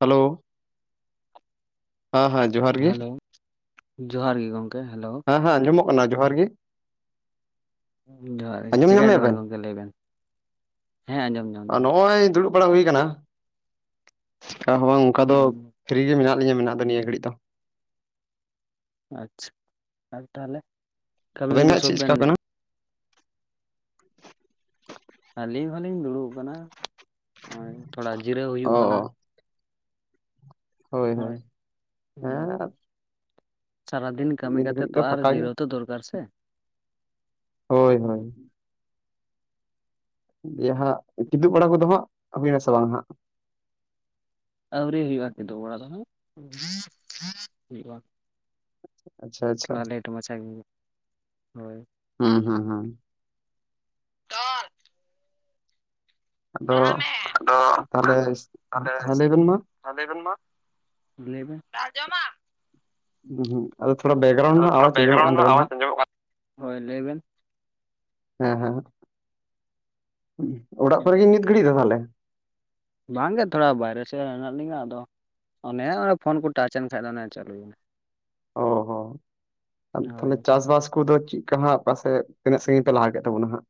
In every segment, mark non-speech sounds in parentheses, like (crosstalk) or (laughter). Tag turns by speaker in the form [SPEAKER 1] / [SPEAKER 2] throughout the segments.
[SPEAKER 1] Hello ᱦᱮᱸ ᱦᱮᱸ ᱡᱚᱦᱟᱨ ᱜᱮ
[SPEAKER 2] ᱦᱮᱞᱳ ᱡᱚᱦᱟᱨ ᱜᱮ ᱜᱚᱢᱠᱮ ᱦᱮᱞᱳ᱾
[SPEAKER 1] ᱦᱮᱸ ᱦᱮᱸᱡᱚᱢᱚᱜ ᱠᱟᱱᱟ ᱡᱚᱦᱟᱨᱜᱤ᱾
[SPEAKER 2] ᱡᱚᱦᱟᱨ ᱜᱮ
[SPEAKER 1] ᱟᱸᱡᱚᱢ
[SPEAKER 2] ᱪᱮᱠᱟᱹᱭ
[SPEAKER 1] ᱧᱟᱢᱮᱫ
[SPEAKER 2] ᱫᱟᱵᱮᱱ
[SPEAKER 1] ᱵᱮᱱ
[SPEAKER 2] ᱜᱚᱝᱠᱮ ᱞᱟᱹᱭ ᱵᱮᱱ ᱦᱮᱸ ᱟᱸᱡᱚᱢ (inaudible)
[SPEAKER 1] ᱚᱸᱭ ᱫᱩᱲᱩᱵ ᱵᱟᱲᱟ ᱦᱩᱭᱩ ᱟᱠᱟᱱᱟ ᱦᱚᱸ ᱚᱱᱠᱟ ᱫᱚ
[SPEAKER 2] ᱦᱩᱸ
[SPEAKER 1] ᱯᱷᱤᱨᱤ ᱜᱮ ᱢᱮᱱᱟᱜ ᱞᱤᱧᱟᱹ ᱢᱮᱱᱟᱜ ᱫᱚ ᱱᱤᱭᱟᱹ ᱜᱷᱟᱹᱲᱤᱜ ᱫᱚ᱾
[SPEAKER 2] ᱟᱪᱪᱷᱟ ᱟᱨ ᱛᱟᱦᱚᱞᱮ ᱠᱟᱹᱢᱤ
[SPEAKER 1] ᱟᱵᱮᱱ
[SPEAKER 2] ᱠᱚᱫᱚ
[SPEAKER 1] ᱦᱟᱸᱜ
[SPEAKER 2] ᱥᱚᱵ
[SPEAKER 1] ᱪᱮᱫ
[SPEAKER 2] ᱵᱮᱱ,
[SPEAKER 1] ᱪᱮᱠᱟ ᱠᱟᱱᱟ
[SPEAKER 2] ᱟᱹᱞᱤᱧ ᱦᱚᱸᱞᱤᱧ ᱫᱩᱲᱩᱵ ᱠᱟᱱᱟ ᱱᱚᱜᱼᱚᱭ, ᱛᱷᱚᱲᱟ ᱡᱤᱨᱟᱹᱣ
[SPEAKER 1] ᱚ
[SPEAKER 2] ᱦᱩᱭᱩᱜ ᱠᱟᱱᱟ᱾ ᱦᱳᱭ ᱦᱩᱸ
[SPEAKER 1] ᱦᱮᱸ
[SPEAKER 2] ᱦᱩᱸ ᱥᱟᱨᱟᱫᱤᱱ ᱠᱟᱹᱢᱤ
[SPEAKER 1] ᱱᱤᱛ
[SPEAKER 2] ᱠᱟᱛᱮᱜ
[SPEAKER 1] ᱜᱷᱟᱹᱲᱤᱡ
[SPEAKER 2] ᱛᱚ
[SPEAKER 1] ᱫᱚ
[SPEAKER 2] ᱟᱨ
[SPEAKER 1] ᱯᱷᱟᱸᱠᱟ ᱜᱮ
[SPEAKER 2] ᱡᱤᱨᱟᱹᱣ ᱛᱚ ᱫᱚᱨᱠᱟᱨ ᱥᱮ᱾
[SPEAKER 1] ᱦᱳᱭ ᱦᱳᱭ᱾ ᱡᱟᱦᱟᱸ ᱠᱤᱫᱩᱵ ᱵᱟᱲᱟ ᱠᱚᱫᱚ ᱦᱟᱸᱜ ᱦᱩᱭᱱᱟ ᱥᱮ ᱵᱟᱝ ᱦᱟᱸᱜ?
[SPEAKER 2] ᱟᱹᱣᱨᱤ ᱦᱩᱭᱩᱜᱼᱟ ᱠᱤᱫᱩᱵ ᱵᱟᱲᱟ ᱫᱚ ᱦᱟᱸᱜ ᱦᱩᱭᱩᱜᱼᱟ᱾
[SPEAKER 1] ᱟᱪᱪᱷᱟ ᱟᱪᱪᱷᱟ
[SPEAKER 2] ᱛᱷᱚᱲᱟ ᱞᱮᱴ ᱢᱟᱪᱷᱟ ᱜᱮ ᱦᱳᱭ
[SPEAKER 1] ᱦᱩᱸ ᱦᱩᱸ ᱦᱩᱸ᱾ ᱟᱫᱚ
[SPEAKER 2] ᱟᱫᱚ
[SPEAKER 1] ᱛᱟᱦᱚᱞᱮ
[SPEAKER 2] ᱛᱟᱦᱞᱮ,
[SPEAKER 1] ᱦᱮᱸ ᱞᱟᱹᱭ ᱵᱮᱱ ᱢᱟ
[SPEAKER 2] ᱦᱟᱸ ᱞᱟᱹᱭ ᱵᱮᱱ ᱢᱟ ᱞᱟᱹᱭ ᱵᱤᱱ,
[SPEAKER 1] ᱦᱩᱸ ᱟᱫᱚ ᱛᱷᱚᱲᱟ ᱵᱮᱠᱜᱨᱟᱣᱩᱱᱰ
[SPEAKER 2] ᱟᱫᱚ
[SPEAKER 1] ᱨᱮᱱᱟᱜ
[SPEAKER 2] ᱛᱷᱚᱲᱟ
[SPEAKER 1] ᱟᱣᱟᱡ ᱟᱸᱡᱚᱢᱚᱜ ᱠᱟᱱ
[SPEAKER 2] ᱵᱮᱜᱨᱟᱭᱩᱱᱰ
[SPEAKER 1] ᱛᱟᱵᱮᱱᱟ
[SPEAKER 2] ᱟᱣᱟᱡ
[SPEAKER 1] ᱦᱟᱸᱜ
[SPEAKER 2] ᱟᱸᱡᱚᱢᱚᱜ ᱠᱟᱱᱟ ᱦᱳᱭ ᱞᱟᱹᱭ ᱵᱮᱱ, (inaudible)
[SPEAKER 1] ᱦᱮᱸ ᱦᱮᱸ ᱚᱲᱟᱜ ᱠᱚᱨᱮ ᱜᱤ ᱱᱤᱫ ᱜᱷᱟᱹᱲᱤᱜ ᱫᱚ ᱛᱟᱦᱞᱮ,
[SPEAKER 2] ᱵᱟᱝᱜᱮ ᱛᱷᱚᱲᱟ ᱵᱟᱭᱨᱮ ᱥᱮᱫ ᱦᱮᱱᱟᱜ ᱞᱤᱧᱟᱹ ᱟᱫᱚ, ᱚᱱᱮ ᱚᱱᱟ ᱯᱷᱳᱱ ᱠᱚ ᱴᱟᱪ ᱮᱱ ᱠᱷᱟᱱ ᱫᱚ ᱚᱱᱮ ᱪᱟᱹᱞᱩᱭ ᱮᱱᱟ᱾
[SPEAKER 1] ᱚ ᱦᱚᱸᱟᱫᱚᱵ ᱛᱟᱦᱚᱞᱮ
[SPEAKER 2] ᱦᱳᱭ
[SPEAKER 1] ᱪᱟᱥ ᱵᱟᱥ, ᱠᱩ ᱫᱚ ᱪᱮᱫᱠᱟ ᱦᱟᱸᱜ ᱯᱟᱥᱮ ᱛᱤᱱᱟᱹᱜ ᱥᱟᱹᱜᱤᱧ ᱯᱮ ᱞᱟᱦᱟ ᱠᱮᱫ ᱛᱟᱵᱚᱱᱟ ᱦᱟᱸᱜ?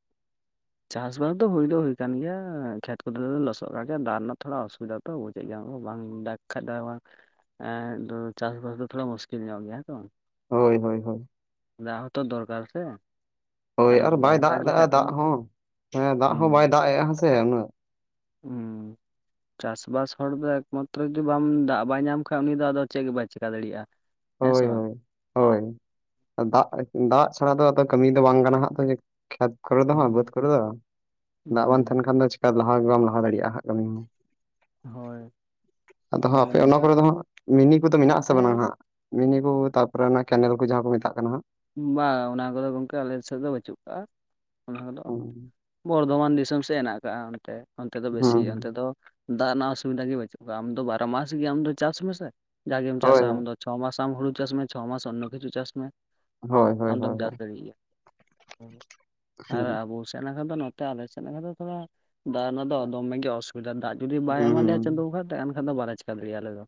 [SPEAKER 2] ᱪᱟᱥᱵᱟᱥ ᱫᱚ ᱦᱩᱭ ᱫᱚ ᱦᱩᱭ ᱠᱟᱱ ᱜᱮᱭᱟ ᱠᱷᱮᱛ ᱠᱚᱨᱮ ᱞᱚᱥᱚᱫ ᱠᱟᱜ ᱜᱮᱭᱟ ᱫᱟᱜᱪ ᱨᱮᱱᱟᱜ ᱫᱟᱜᱽ ᱥᱟᱝᱚᱥᱚᱛᱹᱜᱹᱷᱚᱲᱟ ᱚᱥᱩᱵᱤᱫᱟ.?. ᱹᱹ ᱛᱚ ᱵᱩᱡᱮᱜ ᱜᱮᱭᱟᱢ ᱵᱟᱝ ᱫᱟᱜᱪ ᱠᱷᱟᱜ ᱫᱚ ᱵᱟᱝ ᱮᱸ ᱫᱚ ᱪᱟᱥᱵᱟᱥ ᱫᱚ ᱛᱷᱚᱲᱟ ᱢᱩᱥᱠᱤᱞ ᱧᱚᱜ ᱜᱮᱭᱟ ᱦᱮᱸ ᱛᱚ,
[SPEAKER 1] ᱦᱳᱭ ᱦᱳᱭ ᱦᱳᱭ᱾
[SPEAKER 2] ᱫᱟᱜᱽ ᱦᱚᱸ ᱛᱚ ᱫᱚᱨᱠᱟᱨ ᱥᱮ
[SPEAKER 1] ᱦᱳᱭ ᱟᱨ ᱵᱟᱭ
[SPEAKER 2] ᱵᱟᱝ
[SPEAKER 1] ᱫᱟᱜᱽ
[SPEAKER 2] ᱫᱟᱜ
[SPEAKER 1] ᱮᱫᱟᱼᱟ
[SPEAKER 2] ᱞᱮᱠᱷᱟᱡ ᱫᱚ
[SPEAKER 1] ᱫᱟᱜᱽ ᱦᱚᱸ ᱦᱮᱸ ᱫᱟᱜᱽ ᱦᱚᱸ ᱵᱟᱭ
[SPEAKER 2] ᱦᱩᱸ
[SPEAKER 1] ᱫᱟᱜᱽ ᱮᱜᱼᱟ ᱦᱮᱸᱥᱮ ᱩᱱᱟᱹᱜ᱾
[SPEAKER 2] ᱦᱩᱸ, ᱪᱟᱥᱵᱟᱥ ᱦᱚᱲ ᱫᱚ ᱮᱠᱢᱟᱛᱨᱚ ᱡᱩᱫᱤ ᱵᱟᱢ ᱫᱟᱜᱽ ᱵᱟᱭ ᱧᱟᱢ ᱠᱷᱟᱭ ᱩᱱᱤ ᱫᱚ ᱟᱫᱚ ᱪᱮᱫ ᱜᱮ ᱵᱟᱭ ᱪᱮᱠᱟ ᱫᱟᱲᱮᱭᱟᱜᱼᱟ᱾ ᱦᱮᱸ
[SPEAKER 1] ᱦᱳᱭ
[SPEAKER 2] ᱥᱮ ᱵᱟᱝ,
[SPEAKER 1] ᱦᱳᱭ ᱦᱳᱭ ᱫᱟᱜᱽᱼᱫᱟᱜᱽ ᱪᱷᱟᱲᱟ ᱫᱚ ᱟᱫᱚ ᱠᱟᱹᱢᱤ ᱫᱚ ᱵᱟᱝ ᱜᱟᱱᱟᱜ ᱦᱟᱸᱜ ᱛᱚ, ᱠᱷᱮᱛ ᱠᱚᱨᱮ ᱫᱚ ᱦᱟᱸᱜ ᱵᱟᱹᱫᱽ
[SPEAKER 2] ᱦᱩᱸ
[SPEAKER 1] ᱠᱚᱨᱮ ᱫᱚ ᱫᱟᱜᱽ ᱵᱟᱝ ᱛᱟᱦᱮᱱ
[SPEAKER 2] ᱦᱩᱸ
[SPEAKER 1] ᱠᱷᱟᱱ ᱫᱚ ᱪᱮᱠᱟ ᱞᱟᱦᱟ ᱵᱟᱢ ᱞᱟᱦᱟ ᱫᱟᱲᱮᱭᱟᱜᱼᱟ ᱦᱟᱸᱜ ᱠᱟᱹᱢᱤ ᱦᱚᱸ᱾
[SPEAKER 2] ᱦᱳᱭ
[SPEAKER 1] ᱟᱫᱚ
[SPEAKER 2] ᱦᱳᱭ
[SPEAKER 1] ᱦᱟᱸᱜ ᱟᱯᱮ ᱚᱱᱟ
[SPEAKER 2] ᱚᱱᱟᱜᱮ
[SPEAKER 1] ᱠᱚᱨᱮ ᱫᱚ ᱦᱟᱸᱜ ᱢᱤᱱᱤ ᱠᱚᱫᱚ ᱢᱮᱱᱟᱜ ᱟᱥᱮ ᱵᱟᱱᱩᱜ
[SPEAKER 2] ᱦᱮᱸ
[SPEAKER 1] ᱦᱟᱸᱜ, ᱢᱤᱱᱤ ᱠᱚ ᱛᱟᱯᱚᱨᱮ ᱚᱱᱟ ᱠᱮᱱᱮᱞ ᱠᱚ ᱡᱟᱦᱟᱸ ᱠᱚ ᱢᱮᱛᱟᱜ ᱠᱟᱱᱟ ᱦᱟᱸᱜ᱾
[SPEAKER 2] ᱵᱟᱝ ᱚᱱᱟ ᱠᱚᱫᱚ ᱜᱚᱝᱠᱮ ᱟᱞᱮ ᱥᱮᱫ ᱫᱚ ᱵᱟᱹᱪᱩᱜ ᱠᱟᱜᱼᱟ ᱚᱱᱟ ᱠᱚᱫᱚ᱾
[SPEAKER 1] ᱦᱩᱸ
[SPEAKER 2] ᱵᱚᱨᱫᱷᱚᱢᱟᱱ ᱫᱤᱥᱚᱢ ᱥᱮᱜ ᱦᱮᱱᱟᱜ ᱟᱠᱟᱜᱼᱟ ᱚᱱᱛᱮ ᱚᱱᱛᱮ ᱫᱚ ᱵᱮᱥᱤ ᱚᱱᱛᱮ ᱫᱚ, ᱫᱟᱜᱽ ᱨᱮᱱᱟᱜ ᱚᱥᱩᱵᱤᱫᱷᱟ ᱜᱮ ᱵᱟᱹᱪᱩᱜ ᱠᱚᱣᱟ ᱟᱢ ᱫᱚ ᱵᱟᱨᱚ ᱢᱟᱥ ᱜᱮ ᱟᱢ ᱪᱟᱥ ᱢᱮᱥᱮ ᱡᱟᱜᱮᱢ
[SPEAKER 1] ᱦᱳᱭ ᱦᱳᱭ
[SPEAKER 2] ᱪᱟᱥᱟ ᱟᱢ ᱫᱚ᱾ ᱪᱷᱚ ᱢᱟᱥ ᱟᱢ ᱦᱩᱲᱩ ᱪᱟᱥ ᱢᱮ ᱪᱷᱚ ᱢᱟᱥ ᱚᱱᱚ ᱠᱤᱪᱷᱩ ᱪᱟᱥ ᱢᱮ᱾
[SPEAKER 1] ᱦᱳᱭ
[SPEAKER 2] ᱟᱢᱫᱚᱢ
[SPEAKER 1] ᱦᱳᱭ
[SPEAKER 2] ᱪᱟᱥ
[SPEAKER 1] ᱦᱳᱭ
[SPEAKER 2] ᱫᱟᱲᱮᱭᱟᱜ ᱜᱮᱭᱟ ᱟᱨ ᱟᱵᱚ ᱥᱮᱫ ᱱᱟᱠᱷᱟᱱ ᱫᱚ, ᱱᱚᱛᱮ ᱟᱞᱮ ᱥᱮᱜ ᱱᱟᱠᱷᱟ ᱫᱚ ᱛᱷᱚᱲᱟ ᱫᱟᱜᱽ ᱨᱮᱱᱟᱜ ᱫᱚᱢᱮ ᱜᱮ ᱚᱥᱩᱵᱤᱫᱟ ᱫᱟᱜᱽ ᱡᱩᱫᱤ ᱵᱟᱭ ᱮᱢᱟ ᱞᱮᱭᱟ ᱪᱟᱸᱫᱚ
[SPEAKER 1] ᱦᱩᱸ
[SPEAKER 2] ᱵᱚᱸᱜᱟ, ᱛᱮ ᱮᱱᱠᱷᱟᱱ ᱫᱚ ᱵᱟᱞᱮ ᱪᱤᱠᱟᱹ ᱫᱟᱲᱮᱭᱟᱜᱼᱟ ᱟᱞᱮ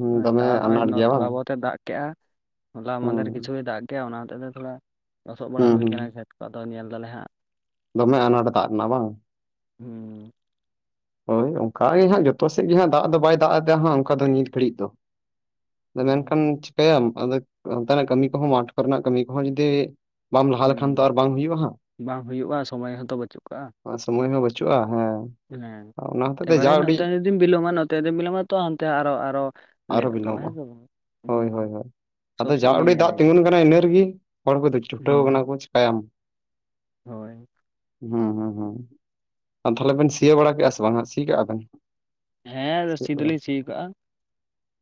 [SPEAKER 1] ᱦᱩᱸ
[SPEAKER 2] ᱫᱚ
[SPEAKER 1] ᱫᱚᱢᱮ
[SPEAKER 2] ᱛᱟᱣ
[SPEAKER 1] ᱟᱱᱟᱴ
[SPEAKER 2] ᱱᱚᱜᱼᱚᱭ
[SPEAKER 1] ᱜᱮᱭᱟ ᱵᱟᱝ
[SPEAKER 2] ᱛᱷᱚᱲᱟ ᱵᱚᱦᱚᱛᱮ ᱫᱟᱜᱽ ᱠᱮᱜᱼᱟ᱾ ᱦᱚᱞᱟ ᱢᱟᱫᱮᱨ
[SPEAKER 1] ᱦᱩᱸ
[SPEAKER 2] ᱠᱤᱪᱷᱩᱭ ᱫᱟᱜᱽ ᱠᱮᱭᱟ ᱚᱱᱟ ᱦᱚᱛᱮᱡ ᱛᱮ ᱛᱷᱚᱲᱟ ᱞᱚᱥᱚᱜ ᱵᱟᱲᱟ
[SPEAKER 1] ᱦᱩᱸ
[SPEAKER 2] ᱦᱩᱭ ᱠᱟᱱᱟ ᱠᱷᱮᱛ ᱠᱚ ᱟᱫᱚ ᱧᱮᱞ ᱫᱟᱞᱮ ᱦᱟᱸᱜ᱾
[SPEAKER 1] ᱵᱷᱟᱵᱱᱟ ᱚᱱᱟ ᱫᱚ ᱫᱟᱜᱽ ᱨᱮᱱᱟᱜ ᱵᱟᱝ,
[SPEAKER 2] ᱦᱩᱸ,
[SPEAKER 1] ᱦᱳᱭ ᱚᱱᱠᱟ ᱜᱮ ᱦᱟᱸᱜ ᱡᱚᱛᱚ ᱥᱮᱫ ᱜᱮᱦᱟᱜ ᱫᱟᱜᱽ ᱫᱚ ᱵᱟᱭ ᱫᱟᱜᱽ ᱟᱫᱮᱭᱟ ᱦᱟᱸᱜ ᱚᱱᱠᱟ ᱫᱚ ᱱᱤᱛ ᱜᱷᱟᱹᱲᱤᱡ ᱫᱚ᱾ ᱟ ᱢᱮᱱᱠᱷᱟᱱ ᱪᱤᱠᱟᱭᱟᱢ ᱟᱫᱚ ᱚᱱᱛᱮᱱᱟᱜ ᱠᱟᱹᱢᱤ ᱠᱚᱦᱚᱸ ᱢᱟᱴᱷ ᱠᱚᱨᱮᱱᱟᱜ ᱠᱟᱹᱢᱤ ᱠᱚᱦᱚᱸ ᱡᱩᱫᱤ, ᱵᱟᱢ ᱞᱟᱦᱟ ᱞᱮᱠᱷᱟᱱ
[SPEAKER 2] ᱦᱩᱸ
[SPEAKER 1] ᱛᱚ ᱟᱨ ᱵᱟᱝ ᱦᱩᱭᱩᱜᱼᱟ ᱦᱟᱜ᱾
[SPEAKER 2] ᱵᱟᱝ ᱦᱩᱭᱩᱜᱼᱟ ᱥᱚᱢᱚᱭ ᱦᱚᱸᱛᱚ ᱵᱟᱹᱪᱩᱜ ᱠᱟᱜᱼᱟ
[SPEAKER 1] ᱥᱚᱢᱚᱭ ᱦᱚᱸ ᱵᱟᱪᱩᱜᱼᱟ ᱦᱮᱸ
[SPEAKER 2] ᱦᱮᱸ
[SPEAKER 1] ᱚᱱᱟ ᱦᱚᱛᱮᱡ ᱛᱮ
[SPEAKER 2] ᱮᱵᱟᱨᱮ
[SPEAKER 1] ᱡᱟ ᱩᱰᱤᱡ
[SPEAKER 2] ᱱᱚᱛᱮ ᱡᱩᱫᱤᱢ ᱵᱤᱞᱚᱢᱟ ᱱᱚᱛᱮ ᱡᱩᱫᱤᱢ ᱵᱤᱞᱚᱢᱟ ᱛᱚ ᱦᱟᱱᱛᱮ ᱟᱨᱚ ᱟᱨᱚ
[SPEAKER 1] ᱟᱨᱚ
[SPEAKER 2] ᱞᱮᱴᱚᱜ ᱛᱟᱢᱟ
[SPEAKER 1] ᱵᱤᱞᱚᱢᱚᱜᱼᱟ
[SPEAKER 2] ᱦᱮᱸᱥᱮ ᱵᱟᱝ?
[SPEAKER 1] ᱦᱳᱭ
[SPEAKER 2] ᱦᱩᱸ
[SPEAKER 1] ᱦᱳᱭ ᱦᱳᱭ ᱟᱫᱚ
[SPEAKER 2] ᱥᱚᱵ
[SPEAKER 1] ᱡᱟ
[SPEAKER 2] ᱥᱮᱫ ᱜᱮ
[SPEAKER 1] ᱚᱰᱤᱡ
[SPEAKER 2] ᱧᱮᱞ
[SPEAKER 1] ᱫᱟᱜ
[SPEAKER 2] ᱦᱩᱭᱩᱜ
[SPEAKER 1] ᱛᱤᱸᱜᱩᱱ ᱠᱟᱱᱟ ᱤᱱᱟᱹ ᱨᱮᱜᱮ ᱦᱚᱲ ᱠᱚ ᱪᱷᱩᱴᱟᱹᱣ
[SPEAKER 2] ᱦᱩᱸ
[SPEAKER 1] ᱟᱠᱟᱱᱟ ᱠᱚ ᱪᱤᱠᱟᱭᱟᱢ
[SPEAKER 2] ᱦᱳᱭ
[SPEAKER 1] ᱦᱩᱸ ᱦᱩᱸ ᱦᱩᱸ ᱟᱨ ᱛᱟᱦᱞᱮ ᱵᱮᱱ ᱥᱤᱭ ᱵᱟᱲᱟ ᱠᱮᱫᱼᱟ ᱥᱮ ᱵᱟᱝ ᱦᱟᱜ ᱥᱤ ᱠᱟᱜᱼᱟ ᱵᱮᱱ
[SPEAKER 2] ᱦᱮᱸ ᱟᱫᱚ ᱥᱤ
[SPEAKER 1] ᱥᱤᱭᱳᱜ ᱵᱟᱲᱟ
[SPEAKER 2] ᱫᱚᱞᱤᱧ ᱥᱤ ᱟᱠᱟᱜᱼᱟ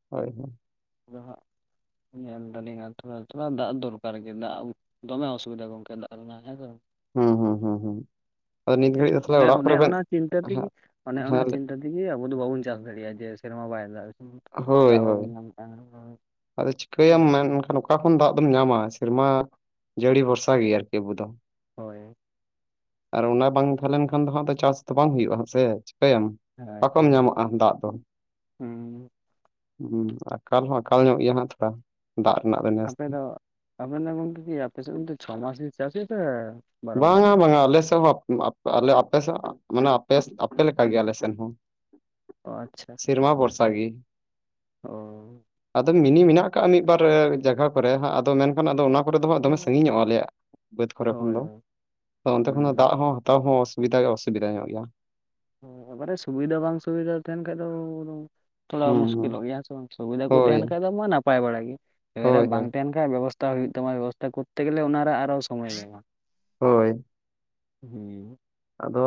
[SPEAKER 1] ᱦᱳᱭ ᱦᱳᱭ
[SPEAKER 2] ᱟᱫᱚ ᱦᱟᱸᱜ ᱧᱮᱞ ᱫᱟᱞᱤᱧᱟ ᱛᱷᱚᱲᱟ ᱛᱷᱚᱲᱟ ᱫᱟᱜ ᱫᱚᱨᱠᱟᱨ ᱜᱮ ᱫᱟᱜ ᱫᱚᱢᱮ ᱚᱥᱩᱵᱤᱫᱟ ᱜᱚᱝᱠᱮ ᱫᱟᱜ ᱨᱮᱱᱟᱜ ᱦᱮᱸ ᱥᱮ
[SPEAKER 1] ᱦᱩᱸ ᱦᱩᱸ ᱦᱩᱸ ᱦᱩᱸ ᱟᱫᱚ ᱱᱤᱛ ᱜᱷᱟᱹᱲᱤ
[SPEAKER 2] ᱚᱱᱮ ᱚᱱᱮ ᱚᱱᱟ ᱪᱤᱱᱛᱟᱹ ᱛᱮᱜᱮ, ᱚᱱᱮ ᱚᱱᱟ
[SPEAKER 1] ᱦᱮᱸ
[SPEAKER 2] ᱪᱤᱱᱛᱟᱹ ᱪᱤᱠᱟᱭᱟᱵᱚᱱ ᱟᱵᱚ ᱵᱟᱵᱚᱱ ᱪᱟᱥ ᱫᱟᱲᱮᱭᱟᱜᱼᱟ ᱡᱮ ᱥᱮᱨᱢᱟ ᱵᱟᱭ ᱫᱟᱜ
[SPEAKER 1] ᱦᱳᱭ
[SPEAKER 2] ᱫᱟᱜ ᱵᱟᱵᱚᱱ
[SPEAKER 1] ᱦᱳᱭ
[SPEAKER 2] ᱧᱟᱢ ᱞᱮᱠᱷᱟᱱ ᱫᱚ
[SPEAKER 1] ᱟᱫᱚ ᱪᱤᱠᱟᱹᱭᱟᱢ ᱢᱮᱱᱠᱷᱟᱱ ᱚᱠᱟ ᱠᱷᱚᱱ ᱫᱟᱜ ᱫᱚᱢ ᱧᱟᱢᱟ ᱥᱮᱨᱢᱟ ᱡᱟᱹᱲᱤ ᱵᱷᱚᱨᱥᱟ ᱜᱮ ᱟᱨᱠᱤ ᱟᱵᱚ ᱫᱚ
[SPEAKER 2] ᱦᱳᱭ
[SPEAKER 1] ᱟᱨ ᱚᱱᱟ ᱵᱟᱝ ᱛᱟᱦᱮᱸ ᱞᱮᱱ ᱠᱷᱟᱱ ᱫᱚ ᱦᱟᱜ ᱪᱟᱥ ᱛᱚ ᱵᱟᱝ ᱦᱩᱭᱩᱜᱼᱟ ᱦᱮᱸ ᱥᱮ ᱪᱤᱠᱟᱹᱭᱟᱢ᱾
[SPEAKER 2] ᱦᱳᱭ
[SPEAKER 1] ᱚᱠᱟ‌ᱢ
[SPEAKER 2] ᱦᱳᱭ
[SPEAKER 1] ᱧᱟᱢᱚᱜᱼᱟ ᱫᱟᱜ ᱫᱚ
[SPEAKER 2] ᱦᱩᱸ
[SPEAKER 1] ᱦᱩ ᱟᱠᱟᱞ ᱦᱚᱸ ᱟᱠᱟᱞ ᱧᱚᱜ ᱜᱮᱭᱟ ᱦᱟᱜ ᱛᱷᱚᱲᱟ ᱫᱟᱜ ᱨᱮᱱᱟᱜ ᱫᱚ ᱱᱮᱥ ᱫᱚ᱾
[SPEAKER 2] ᱟᱵᱮᱱ ᱫᱚ ᱜᱚᱝᱠᱮ ᱠᱤ ᱟᱯᱮ ᱥᱮᱫ ᱪᱷᱚᱢᱟᱥ ᱪᱟᱥ ᱦᱩᱭᱩᱜ ᱛᱮ ᱵᱟᱨᱚ ᱢᱟᱥ?
[SPEAKER 1] ᱵᱟᱝ-ᱟ ᱵᱟᱝ-ᱟ ᱟᱞᱮ ᱥᱮᱫ ᱦᱚᱸ ᱟᱯ ᱟᱯ ᱟᱞᱮ ᱟᱯᱮ ᱥᱮᱫ ᱢᱟᱱᱮ ᱟᱯᱮ‌ ᱞᱮᱠᱟ‌ᱜᱮ ᱟᱞᱮ‌ ᱥᱮᱫ ᱦᱚᱸ
[SPEAKER 2] ᱚ ᱟᱪᱪᱷᱟ
[SPEAKER 1] ᱥᱮᱨᱢᱟ ᱵᱷᱚᱨᱥᱟ ᱜᱤ
[SPEAKER 2] ᱚ
[SPEAKER 1] ᱟᱫᱚ ᱢᱤᱱᱤ ᱢᱮᱱᱟᱜ ᱟᱠᱟᱫᱼᱟ ᱢᱤᱫ ᱵᱟᱨ ᱡᱟᱭ ᱠᱚᱨᱮᱜ ᱟᱫᱚ ᱢᱮᱱᱠᱷᱟᱱ ᱟ ᱚᱱᱟ ᱠᱚᱨᱮ ᱫᱚ ᱦᱟᱸᱜ ᱫᱚᱢᱮ ᱥᱟᱺᱜᱤᱧᱚᱜᱼᱟ ᱟᱞᱮᱭᱟᱜ ᱵᱟᱹᱫᱽ ᱠᱚᱨᱮ ᱠᱷᱚᱱ
[SPEAKER 2] ᱦᱳᱭ
[SPEAKER 1] ᱫᱚ ᱚᱱᱛᱮ ᱠᱷᱚᱱᱚ ᱫᱟᱜ
[SPEAKER 2] ᱦᱩᱸ
[SPEAKER 1] ᱦᱚᱸ ᱦᱟᱛᱟᱣ ᱦᱚᱸ ᱚᱥᱩᱵᱤᱫᱟ ᱜᱮ ᱚᱥᱩᱵᱤᱫᱟ ᱧᱚᱜ ᱜᱮᱭᱟ
[SPEAKER 2] ᱮᱵᱟᱨᱮ ᱥᱩᱵᱤᱫᱟ ᱵᱟᱝ ᱥᱩᱵᱤᱫᱟ ᱛᱟᱦᱮᱱ ᱠᱷᱟᱱ ᱫᱚ ᱛᱷᱚᱲᱟ
[SPEAKER 1] ᱦᱩᱸ ᱦᱩᱸ
[SPEAKER 2] ᱢᱩᱥᱠᱤᱞᱚᱜ ᱜᱮᱭᱟᱸ ᱥᱮ ᱵᱟᱝ ᱥᱩᱵᱤᱫᱷᱟ ᱠᱚ
[SPEAKER 1] ᱦᱳᱭ
[SPEAKER 2] ᱛᱟᱦᱮᱱ ᱠᱷᱟᱜ ᱫᱚ ᱢᱟ ᱱᱟᱯᱟᱭ ᱵᱟᱲᱟ ᱜᱮ, ᱮᱨᱟ
[SPEAKER 1] ᱦᱳᱭ
[SPEAKER 2] ᱵᱟᱝ
[SPEAKER 1] ᱦᱳᱭ
[SPEAKER 2] ᱛᱟᱦᱮᱱ ᱦᱮᱸ ᱵᱮᱵᱚᱥᱛᱷᱟ ᱦᱩᱭᱩᱜ ᱛᱟᱢᱟ ᱵᱮᱵᱚᱥᱛᱷᱟ ᱠᱚᱨᱛᱮ ᱜᱮᱞᱮ ᱚᱱᱟ ᱨᱮ ᱟᱨᱦᱚ ᱥᱚᱢᱚᱭ ᱧᱟᱢᱼᱟ᱾
[SPEAKER 1] ᱦᱳᱭ
[SPEAKER 2] ᱦᱮᱸ
[SPEAKER 1] ᱟᱫᱚ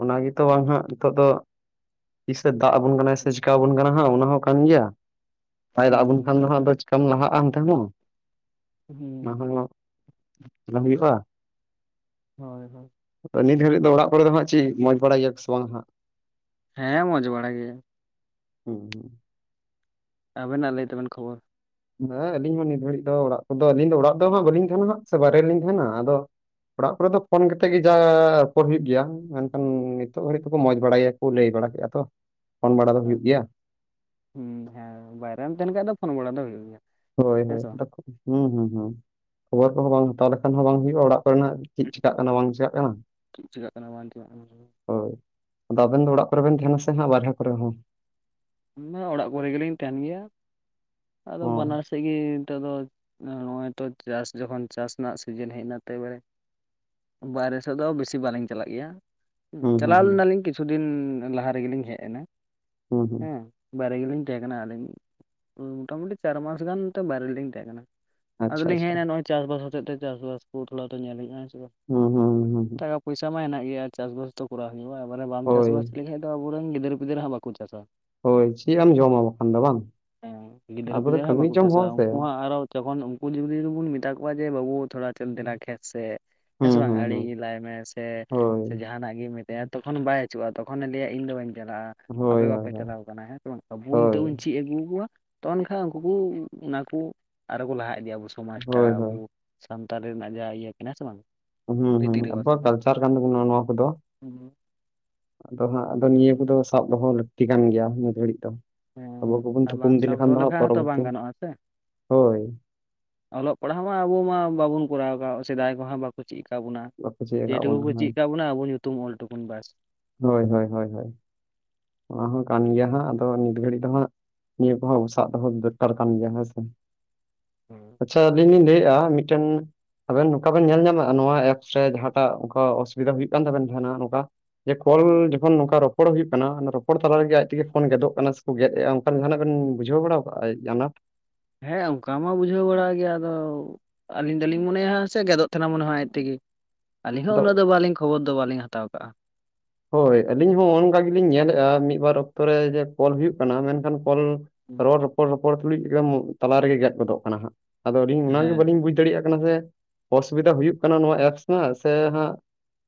[SPEAKER 1] ᱚᱱᱟ ᱜᱮᱛᱚ ᱟᱡ ᱱᱷᱟᱸᱜ ᱱᱤᱛᱚᱜ ᱫᱚ ᱛᱤᱥᱮ ᱫᱟᱜ ᱟᱵᱚᱱ ᱠᱟᱱᱟᱭ ᱥᱮ
[SPEAKER 2] ᱦᱩᱸ
[SPEAKER 1] ᱪᱤᱠᱟ ᱟᱵᱚᱱ ᱠᱟᱱᱟ ᱦᱟᱸᱜ ᱚᱱᱟ ᱦᱚᱸ ᱠᱟᱱ ᱜᱮᱭᱟ ᱵᱟᱭ ᱫᱟᱜ ᱟᱵᱚᱱ ᱠᱷᱟᱱ
[SPEAKER 2] ᱦᱩᱸ
[SPEAKER 1] ᱫᱚ ᱦᱟᱜ ᱟᱫᱚ ᱪᱤᱠᱟᱢ ᱞᱟᱦᱟᱜ-ᱟ ᱚᱱᱛᱮ ᱦᱚᱸ ᱚᱱᱟ ᱦᱚᱸ ᱵᱟᱝ ᱦᱩᱭᱩᱜ-ᱟ᱾
[SPEAKER 2] ᱦᱳᱭ ᱦᱳᱭ᱾
[SPEAKER 1] ᱱᱤᱛ ᱜᱷᱟᱹᱲᱤᱡ ᱫᱚ ᱚᱲᱟᱜ ᱠᱚᱨᱮ ᱫᱚ ᱦᱟᱸᱜ ᱪᱤᱜ ᱢᱚᱡᱽ ᱵᱟᱲᱟ ᱜᱮᱭᱟ ᱠᱚᱥᱮ ᱵᱟᱝ ᱦᱟᱸᱜ
[SPEAKER 2] ᱦᱮᱸ ᱢᱚᱸᱡᱽ ᱵᱟᱲᱟ ᱜᱮ᱾
[SPEAKER 1] ᱦᱩᱸ ᱦᱩᱸᱜ᱾
[SPEAKER 2] ᱟᱵᱤᱱᱟᱜ ᱞᱟᱹᱭ ᱛᱟᱵᱮᱱ ᱠᱷᱚᱵᱚᱨ?
[SPEAKER 1] ᱦᱮᱸ ᱟᱹᱞᱤᱧ ᱦᱚᱸ ᱱᱤᱛ ᱜᱷᱟᱹᱲᱤᱡ ᱫᱚ ᱚᱲᱟᱜ ᱠᱚᱫᱚ ᱟᱹᱞᱤᱧ ᱫᱚ ᱚᱲᱟᱜ ᱫᱚ ᱦᱟᱜ ᱵᱟᱹᱞᱤᱧ ᱛᱟᱦᱮᱱᱟ ᱦᱟᱜ ᱥᱮ ᱵᱟᱨᱮ ᱨᱮᱞᱤᱧ ᱛᱟᱦᱮᱱᱟ ᱟᱫᱚ, ᱚᱲᱟᱜ ᱠᱚᱨᱮ ᱫᱚ ᱯᱷᱳᱱ ᱠᱟᱛᱮᱜ ᱜᱮ ᱡᱟᱻᱦᱟᱸ ᱨᱚᱯᱚᱨ ᱦᱩᱭᱩᱜ ᱜᱮᱭᱟ, ᱢᱮᱱᱠᱷᱟᱱ ᱱᱤᱛᱚᱜ ᱜᱷᱟᱹᱲᱤᱡ ᱛᱮᱠᱚ ᱢᱚᱸᱡᱽ ᱵᱟᱲᱟᱜᱮᱭᱟᱠᱚ ᱞᱟᱹᱭ ᱵᱟᱲᱟ ᱠᱮᱫ-ᱟ ᱛᱚ ᱯᱷᱳᱱ ᱵᱟᱲᱟ ᱫᱚ ᱦᱩᱭᱩᱜ ᱜᱮᱭᱟ᱾
[SPEAKER 2] ᱦᱩᱸ ᱦᱮᱸ ᱵᱟᱭᱨᱮᱢ ᱛᱟᱦᱮᱱ ᱠᱷᱟᱡ ᱫᱚ ᱯᱷᱳᱱ ᱵᱟᱲᱟ ᱫᱚ ᱦᱩᱭᱩᱜ ᱜᱮᱭᱟ᱾
[SPEAKER 1] ᱦᱳᱭ
[SPEAKER 2] ᱦᱮᱸ
[SPEAKER 1] ᱦᱳᱭ
[SPEAKER 2] ᱥᱮ ᱵᱟᱝ
[SPEAKER 1] ᱦᱩᱸᱦᱩᱸ ᱦᱩᱸ ᱠᱷᱚᱵᱚᱨ ᱠᱚᱦᱚᱸ ᱵᱟᱝ ᱦᱟᱛᱟᱣ ᱞᱮᱠᱷᱟᱱ ᱦᱚᱸ ᱵᱟᱝ ᱦᱩᱭᱩᱜᱼᱟ ᱚᱲᱟᱜ ᱠᱚ ᱨᱮᱱᱟᱜ ᱪᱮᱜ ᱪᱤᱠᱟᱜ ᱠᱟᱱᱟ ᱵᱟᱝ ᱪᱮᱠᱟᱜ ᱠᱟᱱᱟ᱾
[SPEAKER 2] ᱪᱮᱫ ᱪᱤᱠᱟᱹᱜ ᱠᱟᱱᱟ ᱵᱟᱝ ᱪᱤᱠᱟᱹᱜ
[SPEAKER 1] ᱦᱳᱭ ᱾ ᱟᱫᱚ ᱟᱵᱮᱱ ᱫᱚ ᱚᱲᱟᱜ ᱠᱚᱨᱮ ᱵᱮᱱ ᱛᱟᱦᱮᱱᱟ ᱥᱮ ᱦᱟᱸᱜ ᱵᱟᱨᱦᱨᱮ ᱠᱚᱨᱮ ᱦᱚᱸ?
[SPEAKER 2] ᱦᱮᱸ ᱚᱲᱟᱜ ᱠᱚᱨᱮ ᱜᱮᱞᱤᱧ ᱛᱟᱦᱮᱱ ᱜᱮᱭᱟ᱾ ᱟᱫᱚ
[SPEAKER 1] ᱚ
[SPEAKER 2] ᱵᱟᱱᱟᱨ ᱥᱮᱫ ᱜᱮ ᱱᱤᱛᱚᱜ ᱫᱚ᱾ ᱱᱚᱜᱼᱚᱭ ᱛᱚ ᱪᱟᱥ ᱡᱚᱠᱷᱚᱱ ᱪᱟᱥ ᱨᱮᱱᱟᱜ ᱥᱤᱡᱤᱱ ᱦᱮᱡ ᱮᱱᱟ ᱛᱮ ᱵᱟᱲᱮ ᱵᱟᱭᱨᱮ ᱥᱮᱫ ᱫᱚ ᱵᱮᱥᱤ ᱵᱟᱞᱤᱧ ᱪᱟᱞᱟᱜ ᱜᱮᱭᱟ ᱾
[SPEAKER 1] ᱦᱩᱸ ᱦᱩᱸ
[SPEAKER 2] ᱪᱟᱞᱟᱣ
[SPEAKER 1] ᱦᱩᱸ
[SPEAKER 2] ᱞᱮᱱᱟᱞᱤᱧ ᱠᱤᱪᱷᱩ ᱫᱤᱱ ᱞᱟᱦᱟ ᱨᱮᱜᱮᱞᱤᱧ ᱦᱮᱡ ᱮᱱᱟ
[SPEAKER 1] ᱦᱩᱸ ᱦᱩᱸ
[SPEAKER 2] ᱦᱮᱸ ᱾ ᱵᱟᱭᱨᱮ ᱜᱮᱞᱤᱧ ᱛᱟᱦᱮᱸ ᱠᱟᱱᱟ, ᱟᱹᱞᱤᱧ ᱢᱚᱴᱟ ᱢᱩᱴᱤ ᱪᱟᱨ ᱢᱟᱥ ᱜᱟᱱᱛᱮ ᱵᱟᱨᱮ ᱨᱮᱞᱤᱧ ᱛᱟᱦᱮᱸ ᱠᱟᱱᱟ ᱾
[SPEAKER 1] ᱟᱪᱪᱷᱟ
[SPEAKER 2] ᱟᱫᱚᱞᱤᱧ ᱦᱮᱡ
[SPEAKER 1] ᱟᱪᱪᱷᱟ
[SPEAKER 2] ᱮᱱᱟ ᱱᱚᱜᱼᱚᱭ ᱪᱟᱥ ᱵᱟᱥ ᱦᱚᱛᱮᱡ ᱛᱮ, ᱪᱟᱥᱵᱟᱥ ᱠᱚ ᱛᱷᱚᱲᱟ ᱛᱚ ᱧᱮᱞ ᱦᱩᱭᱩᱜᱼᱟ ᱦᱮᱸ ᱥᱮ ᱵᱟᱝ?
[SPEAKER 1] ᱦᱩᱸ, ᱦᱩᱸ, ᱦᱩᱸ, ᱦᱩᱸ ᱾
[SPEAKER 2] ᱴᱟᱠᱟ ᱯᱚᱭᱥᱟ ᱢᱟ ᱦᱮᱱᱟᱜ ᱜᱮᱭᱟ᱾ ᱪᱟᱥᱵᱟᱥ ᱛᱚ ᱠᱚᱨᱟᱣ ᱦᱩᱭᱩᱜᱼᱟ, ᱵᱚᱞᱮ ᱵᱟᱢ
[SPEAKER 1] ᱦᱳᱭ
[SPEAKER 2] ᱪᱟᱥᱵᱟᱥ ᱞᱮᱠᱷᱟᱡ ᱫᱚ ᱟᱵᱩᱨᱮᱱ ᱜᱤᱫᱟᱹᱨ ᱯᱤᱫᱟᱹᱨ ᱦᱟᱜᱸ ᱵᱟᱠᱚ ᱪᱟᱥ-ᱟ ᱾
[SPEAKER 1] ᱦᱳᱭ ᱪᱮᱫ ᱮᱢ ᱡᱚᱢᱟ ᱵᱟᱠᱷᱟᱱ ᱫᱚ ᱵᱟᱝ ᱾
[SPEAKER 2] ᱦᱮᱸ ᱜᱤᱫᱽᱨᱟᱹ ᱯᱤᱫᱽᱨᱟᱹ ᱦᱟᱜᱸ ᱵᱟᱠᱚ ᱪᱟᱥ-ᱟ ᱩᱱᱠᱩ ᱦᱚᱸ ᱟᱨ ᱦᱚᱸ ᱡᱚᱠᱷᱚᱱ ᱩᱱᱠᱩ ᱡᱩᱫᱤ ᱵᱚᱱ ᱢᱮᱛᱟ ᱠᱚᱣᱟ ᱡᱮ ᱵᱟᱹᱵᱩ ᱛᱷᱚᱲᱟ ᱫᱮᱞᱟ ᱠᱷᱮᱛ ᱥᱮᱜ ᱦᱮᱸ ᱥᱮ
[SPEAKER 1] ᱦᱩᱸ
[SPEAKER 2] ᱵᱟᱝ
[SPEAKER 1] ᱦᱩᱸ
[SPEAKER 2] ᱟᱲᱤ
[SPEAKER 1] ᱦᱩᱸ
[SPEAKER 2] ᱜᱮ ᱞᱟᱭ ᱢᱮ ᱥᱮ,
[SPEAKER 1] ᱦᱳᱭ
[SPEAKER 2] ᱥᱮ ᱡᱟᱦᱟᱱᱟᱜ ᱜᱮ ᱢᱤᱫ ᱦᱮᱸ ᱛᱚᱠᱷᱚᱱ ᱵᱟᱭ ᱟ. ᱪᱩᱜ-ᱟ ᱛᱚᱠᱷᱚᱱ ᱮ ᱞᱟᱹᱭ-ᱟ ᱤᱧ ᱫᱚ ᱵᱟᱹᱧ ᱪᱟᱞᱟᱜᱼᱟ ᱾
[SPEAKER 1] ᱦᱳᱭ ᱦᱳᱭ ᱾
[SPEAKER 2] ᱮ ᱪᱟᱞᱟᱣ ᱟᱠᱟᱱᱟ ᱦᱮᱸ ᱥᱮ ᱵᱟᱝ ᱛᱚᱵᱩ ᱤᱧ (unintelligible) ᱪᱮᱫ ᱟᱹᱜᱩ ᱠᱚᱣᱟ ᱛᱚ ᱮᱱᱠᱷᱟᱱ ᱩᱱᱠᱩ ᱠᱩ ᱚᱱᱟᱠᱩ ᱟᱨᱚ ᱠᱚ ᱞᱟᱦᱟ ᱤᱫᱤᱭᱟ ᱟᱵᱚ ᱥᱚᱢᱟᱡᱽ ᱴᱟᱜ
[SPEAKER 1] ᱦᱳᱭ
[SPEAKER 2] ᱟᱵᱩ
[SPEAKER 1] ᱦᱳᱭ
[SPEAKER 2] ᱥᱟᱱᱛᱟᱲ ᱨᱮᱱᱟᱜ ᱡᱟᱦᱟᱸ ᱤᱭᱟᱹ ᱠᱟᱱᱟ ᱦᱮᱸ ᱥᱮ ᱵᱟᱝ ᱾
[SPEAKER 1] ᱦᱩᱸ, ᱦᱩᱸ ᱟᱵᱩᱣᱟᱜ ᱠᱟᱞᱪᱟᱨ ᱠᱟᱱ ᱛᱟᱵᱚᱱᱟ ᱱᱚᱣᱟ ᱠᱚᱫᱚ
[SPEAKER 2] ᱦᱮᱸ ᱾
[SPEAKER 1] ᱟᱫᱚ ᱦᱟᱸᱜ ᱟᱫᱚ ᱱᱤᱭᱟᱹ ᱠᱚᱫᱚ ᱥᱟᱵ ᱫᱚᱦᱚ ᱞᱟᱹᱠᱛᱤ ᱠᱟᱱ ᱜᱮᱭᱟ, ᱱᱤᱛ ᱜᱷᱟᱹᱲᱤᱡ ᱫᱚ
[SPEAKER 2] ᱦᱮᱸ
[SPEAKER 1] ᱾ ᱟᱵᱚ ᱠᱚᱵᱚᱱ
[SPEAKER 2] ᱟᱨ
[SPEAKER 1] ᱛᱩᱠᱩᱢ
[SPEAKER 2] ᱵᱟᱝ
[SPEAKER 1] ᱤᱫᱤ
[SPEAKER 2] ᱥᱟᱵ
[SPEAKER 1] ᱞᱮᱠᱷᱟᱱ
[SPEAKER 2] ᱫᱚᱦᱚ
[SPEAKER 1] ᱫᱚ ᱦᱟᱸᱜ
[SPEAKER 2] ᱞᱮᱠᱷᱟᱡ ᱦᱚᱸᱛᱚ ᱵᱟᱝ
[SPEAKER 1] ᱯᱚᱨᱚᱵᱚᱨᱛᱤ
[SPEAKER 2] ᱜᱟᱱᱚᱜᱼᱟ ᱥᱮ
[SPEAKER 1] ᱦᱳᱭ ᱾
[SPEAKER 2] ᱚᱞᱚᱜ ᱯᱟᱲᱦᱟᱣ ᱢᱟ ᱟᱵᱚ ᱢᱟ ᱵᱟᱵᱚᱱ ᱠᱚᱨᱟᱣ ᱟᱠᱟᱫ ᱥᱮᱫᱟᱭ ᱠᱚᱦᱚᱸ ᱵᱟᱠᱚ ᱪᱤᱫ ᱟᱠᱟᱫ ᱵᱚᱱᱟ᱾
[SPEAKER 1] ᱵᱟᱠᱚ ᱪᱮᱫ ᱟᱠᱟᱫ
[SPEAKER 2] ᱡᱮᱼᱴᱩᱠᱩ
[SPEAKER 1] ᱵᱚᱱᱟ
[SPEAKER 2] ᱠᱚ
[SPEAKER 1] ᱦᱳᱭ
[SPEAKER 2] ᱪᱤᱫ ᱟᱠᱟᱫ ᱵᱚᱱᱟ ᱟᱵᱚ ᱧᱩᱛᱩᱢ ᱚᱞ ᱴᱩᱠᱩᱱ ᱵᱟᱥ᱾
[SPEAKER 1] ᱦᱳᱭ ᱦᱳᱭ ᱦᱳᱭ ᱦᱳᱭ ᱾ ᱚᱱᱟ ᱦᱚᱸ ᱠᱟᱱ ᱜᱮᱭᱟ ᱦᱟᱸᱜ, ᱟᱫᱚ ᱱᱤᱛ ᱜᱷᱟᱹᱲᱤᱡ ᱫᱚ ᱦᱟᱸᱜ ᱾ ᱱᱤᱭᱟᱹ ᱠᱚᱦᱚᱸ ᱥᱟᱵ ᱫᱚᱦᱚᱸ ᱵᱮᱯᱟᱨ ᱠᱟᱱ ᱜᱮᱭᱟ ᱦᱮᱸ ᱥᱮ ᱾ ᱟᱪᱪᱷᱟ ᱟᱹᱞᱤᱧ ᱞᱤᱧ ᱞᱟᱹᱭᱮᱫᱼᱟ, ᱢᱤᱫᱴᱮᱱ ᱟᱵᱮᱱ ᱱᱚᱝᱠᱟ ᱵᱮᱱ ᱧᱮᱞ ᱧᱟᱢᱟ ᱱᱚᱣᱟ ᱮᱯᱥ ᱨᱮ ᱡᱟᱦᱟᱸᱴᱟᱜ ᱠᱚ ᱚᱥᱩᱵᱤᱫᱷᱟ ᱦᱩᱭᱩᱜ ᱠᱟᱱ ᱛᱟᱵᱮᱱᱟ ᱡᱟᱦᱟᱱᱟᱜ ᱱᱚᱝᱠᱟ ᱡᱮ ᱠᱚᱞ ᱡᱚᱠᱷᱚᱱ ᱱᱚᱝᱠᱟ ᱨᱚᱯᱚᱲ ᱦᱩᱭᱩᱜ ᱠᱟᱱᱟ ᱨᱚᱯᱚᱲ ᱛᱟᱞᱟ ᱨᱮᱜᱮ ᱟᱡ ᱛᱮᱜᱮ ᱯᱷᱳᱱ ᱜᱮᱫᱚᱜ ᱠᱟᱱᱟ, ᱥᱮᱠᱚ ᱜᱮᱫ ᱮᱫᱟ ᱚᱱᱠᱟ ᱡᱟᱦᱟᱱᱟᱜ ᱵᱤᱱ ᱵᱩᱡᱷᱟᱹᱣ ᱵᱟᱲᱟ ᱟᱠᱟᱜᱼᱟ ᱡᱮ ᱟᱱᱟᱴ?
[SPEAKER 2] ᱦᱮᱸ ᱚᱱᱠᱟ ᱢᱟ ᱵᱩᱡᱷᱟᱹᱣ ᱵᱟᱲᱟᱭ ᱜᱮᱭᱟ ᱟᱫᱚ ᱟᱹᱞᱤᱧ ᱫᱚᱞᱤᱧ ᱢᱚᱱᱮᱭᱟ ᱥᱮ ᱜᱮᱫᱚᱜ ᱛᱟᱦᱮᱱᱟ ᱢᱚᱱᱮ ᱦᱚᱭ ᱟᱡ ᱛᱮᱜᱮ ᱾ ᱟᱹᱞᱤᱧ ᱦᱚᱸ
[SPEAKER 1] ᱟᱫᱚ
[SPEAKER 2] ᱩᱱᱟᱹᱜ ᱫᱚ ᱵᱟᱞᱤᱧ ᱠᱷᱚᱵᱚᱨ ᱫᱚ ᱵᱟᱞᱤᱧ ᱦᱟᱛᱟᱣ ᱠᱟᱜᱼᱟ᱾
[SPEAKER 1] ᱦᱳᱭ ᱟᱹᱞᱤᱧ ᱦᱚᱸ ᱚᱱᱠᱟ ᱜᱮᱞᱤᱧ ᱧᱮᱞᱮᱫ-ᱟ, ᱢᱤᱫ ᱵᱟᱨ ᱚᱠᱛᱚ ᱨᱮ ᱡᱮ ᱠᱚᱞ ᱦᱩᱭᱩᱜ ᱠᱟᱱᱟ ᱢᱮᱱᱠᱷᱟᱱ ᱠᱚᱞ ᱨᱚᱲ ᱨᱚᱯᱚᱲ ᱨᱚᱯᱚᱲ ᱛᱩᱞᱩᱡ ᱜᱮ ᱛᱟᱞᱟ ᱨᱮᱜᱮ ᱜᱮᱫ ᱜᱚᱫᱚᱜ ᱠᱟᱱᱟ ᱦᱟᱸᱜ ᱾ ᱟᱫᱚ ᱟᱹᱞᱤᱧ ᱚᱱᱟ ᱜᱮ
[SPEAKER 2] ᱦᱮᱸ
[SPEAKER 1] ᱵᱟᱹᱞᱤᱧ ᱵᱩᱡ ᱫᱟᱲᱮᱭᱟᱜ ᱠᱟᱱᱟ ᱡᱮ ᱚᱥᱩᱵᱤᱫᱟ ᱦᱩᱭᱩᱜ ᱠᱟᱱᱟ ᱱᱚᱣᱟ ᱮᱯᱥ ᱨᱮᱱᱟᱜ ᱥᱮ ᱦᱟᱸᱜ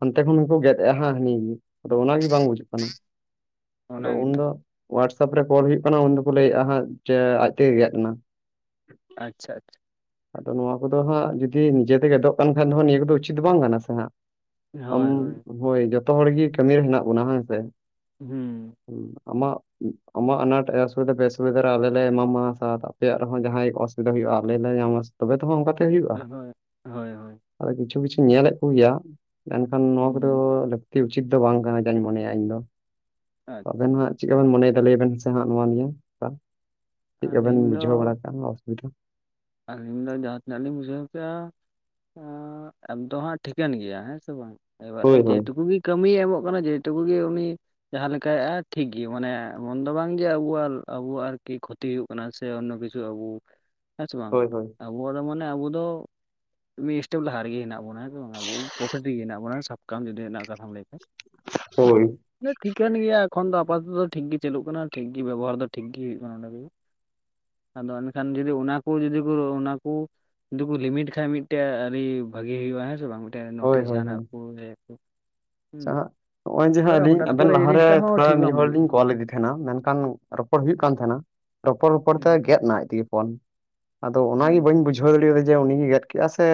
[SPEAKER 1] ᱦᱟᱱᱛᱮ ᱠᱷᱚᱱ ᱠᱚ ᱜᱮᱫ ᱮ ᱟ ᱦᱟᱸᱜ ᱾ ᱟᱫᱚ ᱚᱱᱟᱜᱮ ᱵᱟᱝ ᱵᱩᱡᱟᱹᱜ ᱠᱟᱱᱟ᱾
[SPEAKER 2] ᱚᱱᱟ
[SPEAKER 1] ᱟᱫᱚ
[SPEAKER 2] ᱜᱮᱛᱚ
[SPEAKER 1] ᱩᱱᱫᱚ ᱳᱣᱟᱴᱥᱮᱯ ᱨᱮ ᱠᱚᱞ ᱦᱩᱭᱩᱜ ᱠᱟᱱᱟ, ᱩᱱ ᱫᱚᱠᱚ ᱞᱟᱹᱭᱮ-ᱟ ᱦᱟᱸᱜ ᱡᱮ ᱟᱡ ᱛᱮᱜᱮ ᱜᱮᱫ ᱱᱟ ᱾
[SPEAKER 2] ᱟᱪᱪᱷᱟ, ᱟᱪᱪᱷᱟ ᱾
[SPEAKER 1] ᱟᱫᱚ ᱱᱚᱣᱟ ᱠᱚᱫᱚ ᱦᱟᱸᱜ ᱡᱩᱫᱤ ᱱᱤᱡᱮᱛᱮ ᱜᱮᱫᱚᱜ ᱠᱟᱱ ᱠᱷᱟᱱ ᱫᱚ, ᱱᱤᱭᱟᱹ ᱠᱚᱫᱚ ᱩᱪᱤᱛ ᱫᱚ ᱵᱟᱝ ᱠᱟᱱᱟ ᱥᱮ ᱦᱟᱸᱜ ᱾ ᱟᱢ ᱦᱳᱭ ᱡᱚᱛᱚ ᱦᱚᱲ ᱜᱮ ᱠᱟᱹᱢᱤᱨᱮ ᱦᱮᱱᱟᱜ ᱵᱚᱱᱟ ᱦᱮᱸ ᱥᱮ᱾
[SPEAKER 2] ᱦᱩᱸ ᱾
[SPEAKER 1] ᱟᱢᱟᱜ, ᱟᱢᱟᱜ ᱟᱱᱟᱴ ᱮᱥᱩᱵᱤᱫᱷᱟ ᱯᱮᱥᱩᱵᱤᱫᱷᱟ ᱨᱮ, ᱟᱞᱮ ᱞᱮ ᱮᱢᱟᱢᱟ ᱥᱟᱛ ᱾ ᱟᱯᱮᱭᱟᱜ ᱨᱮᱦᱚᱸ, ᱡᱟᱦᱟᱸᱟᱭ ᱚᱥᱩᱵᱤᱫᱷᱟ ᱦᱩᱭᱩᱜ-ᱟ ᱾ ᱟᱞᱮ ᱞᱮ ᱧᱟᱢᱟ, ᱛᱚᱵᱮ ᱛᱚᱸ ᱦᱟᱸᱜ, ᱚᱱᱠᱟ ᱛᱮ ᱦᱩᱭᱩᱜ-ᱟ
[SPEAKER 2] ᱦᱳᱭ ᱦᱳᱭ ᱦᱳᱭ
[SPEAKER 1] ᱾ ᱟᱫᱚ, ᱠᱤᱪᱷᱩ ᱠᱤᱪᱷᱩ, ᱧᱮᱞᱮᱫ ᱠᱚ ᱜᱮᱭᱟ, ᱢᱮᱱᱠᱷᱟᱱ, ᱱᱚᱣᱟ
[SPEAKER 2] ᱦᱩᱸ
[SPEAKER 1] ᱠᱚ ᱫᱚᱻ ᱞᱟᱹᱠᱛᱤ ᱩᱪᱤᱛ ᱫᱚ ᱵᱟᱝ ᱠᱟᱱᱟ, ᱡᱟᱸᱧ ᱢᱚᱱᱮᱭᱟ, ᱤᱧ ᱫᱚ,
[SPEAKER 2] ᱟᱪᱪᱷᱟ
[SPEAKER 1] ᱟᱵᱮᱱ ᱦᱟᱸᱜ ᱪᱮᱫ ᱠᱟᱵᱮᱱ ᱢᱚᱱᱮ ᱮᱫᱟ? ᱞᱟᱹᱭ ᱵᱮᱱ ᱥᱮ ᱦᱟᱸᱜ, ᱱᱚᱣᱟ ᱱᱤᱭᱢ, ᱪᱮᱫ ᱞᱮᱠᱟ ᱵᱮᱱ
[SPEAKER 2] ᱟᱹᱞᱤᱧ ᱫᱚ
[SPEAKER 1] ᱵᱩᱡᱷᱟᱹᱣ ᱵᱟᱲᱟ ᱠᱮᱜᱼᱟ, ᱱᱚᱣᱟ ᱚᱥᱩᱵᱤᱫᱷᱟ ᱾
[SPEAKER 2] ᱟᱹᱞᱤᱧ ᱫᱚ, ᱡᱟᱦᱟᱸ ᱛᱤᱱᱟᱹᱜ ᱞᱤᱧ ᱵᱩᱡᱷᱟᱹᱣ ᱠᱮᱜᱼᱟ ᱟᱻ, ᱫᱚ ᱦᱟᱸᱜ ᱴᱷᱤᱠᱟᱹᱱ ᱜᱮᱭᱟ, ᱦᱮᱸ ᱥᱮ ᱵᱟᱝ, ᱮᱼᱵᱟᱨᱮ
[SPEAKER 1] ᱦᱳᱭ
[SPEAKER 2] ᱡᱮ,
[SPEAKER 1] ᱦᱳᱭ
[SPEAKER 2] ᱴᱩᱠᱩᱱ ᱜᱮ ᱠᱟᱹᱢᱤᱭ ᱮᱢᱚᱜ ᱠᱟᱱᱟ, ᱡᱮ ᱴᱩᱠᱩ ᱜᱮ ᱩᱱᱤ ᱡᱟᱦᱟᱸ ᱞᱮᱠᱟ ᱭᱮᱼᱟ ᱴᱷᱤᱠ ᱜᱮ, ᱢᱟᱱᱮ ᱢᱚᱱ ᱫᱚ ᱵᱟᱝ ᱜᱮ, ᱟᱵᱚᱣᱟᱜ, ᱟᱵᱚᱣᱟᱜ ᱟᱨ ᱠᱤ ᱠᱷᱚᱡ ᱛᱤ ᱦᱩᱭᱩᱜ ᱠᱟᱱᱟ, ᱥᱮ ᱚᱱᱱᱚ ᱠᱤᱪᱷᱩ ᱟᱵᱚ, ᱦᱮᱸ ᱥᱮ ᱵᱟᱝ,
[SPEAKER 1] ᱦᱳᱭ ᱦᱳᱭ
[SPEAKER 2] ᱟᱵᱚᱣᱟᱜ ᱫᱚ, ᱢᱟᱱᱮ ᱟᱵᱚ ᱫᱚ ᱢᱤ ᱤᱥᱴᱮᱯ ᱞᱟᱦᱟ ᱨᱮᱜᱮ, ᱦᱮᱱᱟᱜ ᱵᱚᱱᱟ ᱵᱟᱝ, ᱟᱵᱚ ᱯᱨᱚᱯᱷᱤᱴ ᱨᱮᱜᱮ ᱦᱮᱱᱟᱜ ᱵᱚᱱᱟ, ᱥᱟᱵ ᱠᱟᱢ ᱡᱩᱫᱤ ᱦᱮᱱᱟᱜ ᱟᱠᱟᱜ ᱛᱟᱢ ᱞᱟᱹᱭ ᱢᱮ ᱾
[SPEAKER 1] ᱦᱳᱭ
[SPEAKER 2] ᱮᱻᱫᱚᱝ (inaudible) ᱴᱷᱤᱠᱟᱹᱱ ᱜᱮᱭᱟ ᱮᱠᱷᱚᱱ ᱫᱚ, ᱟᱯᱟᱫᱛᱮᱫ, ᱛᱚ ᱴᱷᱤᱠ ᱜᱮ, ᱪᱟᱹᱞᱩᱜ ᱠᱟᱱᱟ ᱾ ᱴᱷᱤᱠ ᱜᱮ, ᱵᱮᱵᱚᱦᱟᱨ ᱫᱚ, ᱴᱷᱤᱠ ᱜᱮ ᱦᱩᱭᱩᱜ ᱠᱟᱱᱟ ᱾ ᱱᱚᱰᱮ ᱫᱚ ᱾ ᱟᱫᱚ, ᱮᱱᱠᱷᱟᱱ ᱡᱩᱫᱤ, ᱚᱱᱟ ᱠᱩ ᱡᱩᱫᱤ ᱠᱚ, ᱚᱱᱟᱠᱩ ᱡᱩᱫᱤ ᱠᱚ, ᱞᱤᱢᱤᱴ ᱠᱷᱟᱡ, ᱢᱤᱫᱴᱮᱡ ᱟᱹᱰᱤ, ᱵᱷᱟᱜᱤ ᱦᱩᱭᱩᱜ-ᱟ, ᱦᱮᱸ ᱥᱮ ᱵᱟᱝ ᱴᱮ
[SPEAKER 1] ᱦᱳᱭ
[SPEAKER 2] ᱱᱳᱴᱤᱥ ᱡᱟᱦᱟᱸᱱᱟᱜ ᱠᱚ, ᱞᱟᱹᱭ ᱟᱠᱩ
[SPEAKER 1] ᱪᱪᱟ ᱦᱟᱸᱜ ᱱᱚᱜ-ᱚᱭ, ᱡᱮ ᱦᱟᱸᱜ ᱟᱹᱞᱤᱧ, ᱟᱵᱮᱱ ᱞᱟᱦᱟ ᱨᱮ,
[SPEAKER 2] ᱡᱤᱱᱤᱥᱴᱟ ᱦᱚᱸ
[SPEAKER 1] ᱛᱷᱚᱲᱟ,
[SPEAKER 2] ᱴᱷᱤᱠ
[SPEAKER 1] ᱢᱤᱫ
[SPEAKER 2] ᱵᱟᱝ
[SPEAKER 1] ᱦᱚᱲ
[SPEAKER 2] ᱵᱩᱡᱩᱜ
[SPEAKER 1] ᱞᱤᱧ
[SPEAKER 2] ᱠᱟᱱᱟ
[SPEAKER 1] ᱠᱚᱞ ᱞᱮᱫᱮ ᱛᱟᱦᱮᱸᱱᱟ, ᱢᱮᱱᱠᱷᱟᱱ ᱨᱚᱯᱚᱲ ᱦᱩᱭᱩᱜ ᱠᱟᱱ ᱛᱟᱦᱮᱸᱱᱟ, ᱨᱚᱯᱚᱲ, ᱨᱚᱯᱚᱲ
[SPEAKER 2] ᱦᱩᱸ
[SPEAKER 1] ᱛᱮ, ᱜᱮ ᱜᱮᱫ ᱮᱱᱟ ᱟᱡ ᱛᱮᱜᱮ ᱯᱷᱚᱱ, ᱟᱫᱚ,
[SPEAKER 2] ᱦᱩᱸ
[SPEAKER 1] ᱚᱱᱟᱜᱤ ᱵᱟᱹᱧ ᱵᱩᱡ ᱵᱩᱡᱷᱟᱹᱣ ᱫᱟᱲᱮ ᱟᱫᱟ ᱡᱮ, ᱩᱱᱤ ᱜᱮ ᱜᱮᱫ ᱠᱮᱜᱼᱟ ᱥᱮ,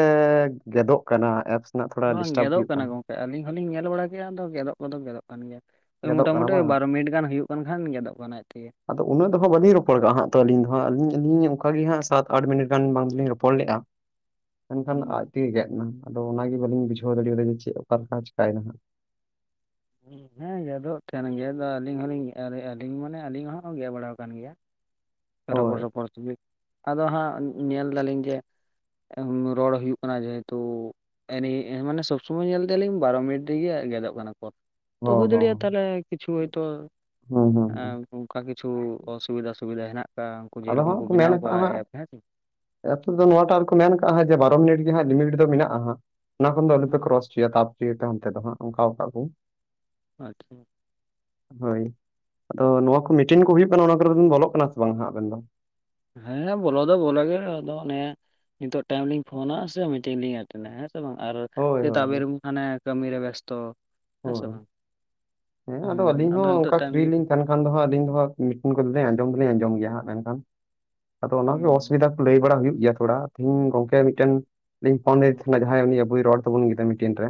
[SPEAKER 1] ᱜᱮᱫᱚᱜ ᱠᱟᱱᱟ, ᱮᱯᱥ ᱨᱮᱱᱟᱜ, ᱛᱷᱚᱲᱟ
[SPEAKER 2] ᱵᱟᱝ
[SPEAKER 1] ᱰᱤᱥᱴᱟᱵ
[SPEAKER 2] ᱜᱮᱫᱚᱜ
[SPEAKER 1] ᱦᱩᱭᱩᱜ ᱠᱟᱱᱟ ᱾
[SPEAKER 2] ᱜᱚᱝᱠᱮ ᱟᱹᱞᱤᱧ ᱦᱚᱞᱤᱧ ᱧᱮᱞ ᱵᱟᱲᱟ ᱠᱮᱜᱼᱟ, ᱜᱮᱫᱚᱜ ᱠᱚᱫᱚ ᱜᱮᱫᱚᱜ ᱠᱟᱱ ᱜᱮᱭᱟ ᱾ ᱮ,
[SPEAKER 1] ᱜᱮᱫᱚᱜ ᱠᱟᱱᱟ
[SPEAKER 2] ᱢᱚᱴᱟᱩᱴᱤ
[SPEAKER 1] ᱵᱟᱝ
[SPEAKER 2] ᱵᱟᱨᱚ ᱢᱤᱱᱤᱴ ᱜᱟᱱ ᱦᱩᱭᱩᱜ ᱠᱟᱱ ᱠᱷᱟᱱ, ᱜᱮᱫᱚᱜ ᱠᱟᱱᱟ ᱟᱡ ᱛᱮᱜᱮ ᱾
[SPEAKER 1] ᱟᱫᱚ ᱩᱱᱟᱜ ᱫᱚ ᱦᱟᱸᱜ ᱵᱟᱹᱞᱤᱧ ᱨᱚᱯᱚᱲ ᱠᱟᱜᱼᱟ ᱦᱟᱸᱜ, ᱟᱹᱞᱤᱧ ᱫᱚ ᱦᱟᱸᱜ, ᱟᱹᱞᱤᱧ ᱟᱹᱞᱤᱧ ᱚᱱᱠᱟ ᱜᱮ ᱦᱟᱸᱜ, ᱥᱟᱛ ᱟᱴ ᱢᱤᱱᱤᱴ ᱜᱟᱱ, ᱵᱟᱝ ᱫᱚᱞᱤᱧ ᱨᱚᱯᱚᱲ ᱞᱮᱼᱟ ᱾
[SPEAKER 2] (unintelligible)
[SPEAKER 1] ᱢᱮᱱᱠᱷᱟᱱ, ᱟᱡ ᱛᱮᱜᱮ ᱜᱮᱫ ᱮᱱᱟ, ᱟᱫᱚ, ᱚᱱᱟ ᱜᱮ ᱵᱟᱹᱞᱤᱧ ᱵᱩᱡᱷᱟᱹᱣ ᱫᱟᱲᱮᱭᱟᱫᱟ, ᱡᱮ ᱪᱮᱫ? ᱚᱠᱟ ᱞᱮᱠᱟ ᱪᱤᱠᱟᱭ ᱮᱱᱟ ᱦᱟᱸᱜ ᱾
[SPEAKER 2] ᱦᱮᱸ, ᱜᱮᱫᱚᱜ ᱛᱟᱦᱮᱱ ᱜᱮ, ᱫᱚ ᱟᱹᱞᱤᱧ ᱦᱚᱞᱤᱧ, ᱟᱹᱞᱤᱧ ᱢᱟᱱᱮ, ᱟᱹᱞᱤᱧ ᱦᱚᱸ ᱜᱮᱫ ᱵᱟᱲᱟ ᱟᱠᱟᱱ ᱜᱮᱭᱟ ᱾ ᱨᱚᱯᱚᱲ
[SPEAKER 1] ᱦᱳᱭ
[SPEAKER 2] ᱨᱚᱯᱚᱲ ᱛᱩᱞᱩᱡ, ᱟᱫᱚ ᱦᱟᱸᱜ, ᱧᱮᱞ ᱮᱫᱟ ᱞᱤᱧ ᱡᱮ ᱮᱼᱦᱩᱡ ᱨᱚᱲ ᱦᱩᱭᱩᱜ ᱠᱟᱱᱟ, ᱡᱮ ᱦᱮᱛᱩ ᱟᱱᱮ, ᱥᱚᱵ ᱥᱚᱢᱚᱭ ᱧᱮᱞ ᱮᱫᱟᱞᱤᱧ, ᱵᱟᱨᱚ ᱢᱤᱱᱤᱴ ᱛᱮᱜᱮ ᱜᱮᱫᱚᱜ ᱠᱟᱱᱟ, ᱠᱚᱞ ᱾ ᱛᱚ,
[SPEAKER 1] ᱦᱚᱸ
[SPEAKER 2] ᱦᱩᱭ
[SPEAKER 1] ᱦᱚᱸ
[SPEAKER 2] ᱫᱟᱲᱮᱭᱟᱜᱼᱟ, ᱛᱟᱦᱚᱞᱮ ᱠᱤᱪᱷᱩ ᱦᱚᱭ ᱛᱚ
[SPEAKER 1] ᱦᱩᱸ ᱦᱩᱸ ᱦᱩᱸ
[SPEAKER 2] ᱚᱱᱠᱟ ᱠᱤᱪᱷᱩ, ᱚᱥᱩᱵᱤᱫᱟ ᱥᱩᱵᱤᱫᱟ ᱦᱮᱱᱟᱜ ᱟᱠᱟᱜᱼᱟ, ᱩᱱᱠᱩ ᱡᱮ ᱨᱚᱠᱚᱢ ᱠᱚ ᱵᱮᱱᱟᱣ ᱟᱠᱟᱜᱼᱟ ᱮᱯ, ᱦᱮᱸ ᱥᱮ ᱾
[SPEAKER 1] ᱟᱛᱳ ᱨᱮᱫᱚ, ᱱᱚᱣᱟᱴᱟᱜ ᱨᱮᱠᱚ ᱢᱮᱱ ᱟᱠᱟᱜᱼᱟ, ᱡᱮ ᱵᱟᱨᱚ ᱢᱤᱱᱤᱴ ᱜᱮ ᱦᱟᱸᱜ, ᱞᱤᱢᱤᱴ ᱫᱚ ᱢᱮᱱᱟᱜᱼᱟᱦᱟᱸᱜ ᱾ ᱚᱱᱟ ᱠᱷᱚᱱ ᱫᱚ, ᱟᱞᱚᱯᱮ ᱠᱨᱚᱥ ᱚᱪᱚᱭᱟ, ᱛᱟᱯ ᱚᱪᱚᱭᱟ ᱯᱮ, ᱚᱱᱛᱮ ᱫᱚ ᱦᱟᱸᱜ, ᱚᱱᱠᱟᱣ ᱟᱠᱟᱜᱼᱟ ᱠᱚ ᱾
[SPEAKER 2] ᱟᱪᱪᱷᱟ ᱾
[SPEAKER 1] ᱦᱳᱭ! ᱟᱫᱚ, ᱱᱚᱣᱟ ᱠᱚ, ᱢᱤᱴᱤᱝ ᱠᱚ ᱦᱩᱭᱩᱜ ᱠᱟᱱᱟ, ᱚᱱᱟ ᱠᱚᱨᱮ, ᱵᱚᱞᱚᱜ ᱠᱟᱱᱟ ᱥᱮ, ᱵᱟᱝ ᱦᱟᱸᱜ, ᱟᱵᱮᱱ ᱫᱚ?
[SPEAKER 2] ᱦᱮᱸᱻ, ᱵᱚᱞᱚ ᱫᱚ, ᱵᱚᱞᱚ ᱜᱮ, ᱟᱫᱚ ᱚᱱᱮ ᱱᱤᱛᱚᱜ ᱴᱟᱭᱤᱢ ᱞᱤᱧ ᱯᱷᱳᱱᱟ, ᱥᱮ? ᱢᱤᱴᱤᱝ ᱞᱤᱧ ᱮᱴᱮᱸᱰ, ᱦᱮᱸ ᱥᱮ ᱵᱟᱝ, ᱟᱨ
[SPEAKER 1] ᱦᱳᱭ ᱦᱳᱭ
[SPEAKER 2] ᱥᱮᱛᱟᱜ
[SPEAKER 1] ᱦᱳᱭ
[SPEAKER 2] ᱵᱮᱨ ᱢᱟᱥᱮ ᱠᱟᱹᱢᱤ ᱨᱮ ᱵᱮᱥᱛᱚ ᱦᱮᱸ ᱥᱮ
[SPEAKER 1] ᱦᱳᱭ
[SPEAKER 2] ᱵᱟᱝ
[SPEAKER 1] ᱾ ᱦᱮᱸᱻ ᱟᱫᱚ,
[SPEAKER 2] ᱦᱩᱸ
[SPEAKER 1] ᱟᱹᱞᱤᱧ ᱦᱚᱸ
[SPEAKER 2] ᱱᱤᱛᱚᱜ
[SPEAKER 1] ᱚᱱᱠᱟ,
[SPEAKER 2] ᱴᱟᱭᱤᱢ ᱜᱮ
[SPEAKER 1] ᱯᱷᱤᱨᱤᱞᱤᱧ ᱛᱟᱦᱮᱱ ᱠᱷᱟᱱ ᱫᱚ ᱦᱟᱸᱜ, ᱟᱹᱞᱤᱧ ᱫᱚᱦᱟᱸᱜ ᱢᱤᱴᱤᱱ ᱠᱚᱫᱚ, ᱟᱸᱡᱚᱢ ᱫᱚᱞᱤᱧ ᱟᱸᱡᱚᱢ ᱜᱮᱭᱟ ᱦᱟᱸᱜ, ᱢᱮᱱᱠᱷᱟᱱ, ᱟᱫᱚ, ᱚᱱᱟ ᱜᱮ
[SPEAKER 2] ᱦᱩᱸ
[SPEAKER 1] ᱚᱥᱩᱵᱤᱫᱟ ᱾ ᱞᱟᱹᱭ ᱵᱟᱲᱟ, ᱦᱩᱭᱩᱜ ᱜᱮᱭᱟ ᱛᱷᱚᱲᱟ, ᱛᱮᱦᱮᱧ ᱜᱚᱝᱠᱮ, ᱢᱤᱫᱴᱟᱝ ᱞᱤᱧ, ᱯᱷᱳᱱ ᱞᱮᱫᱮ
[SPEAKER 2] ᱦᱩᱸ
[SPEAKER 1] ᱛᱷᱮᱱᱟ ᱡᱟᱦᱟᱸᱭ ᱩᱱᱤ, ᱟᱵᱚᱭ ᱨᱚᱲ ᱛᱟᱵᱚᱱ ᱜᱮᱫᱚᱭ ᱢᱤᱴᱤᱱ ᱨᱮ,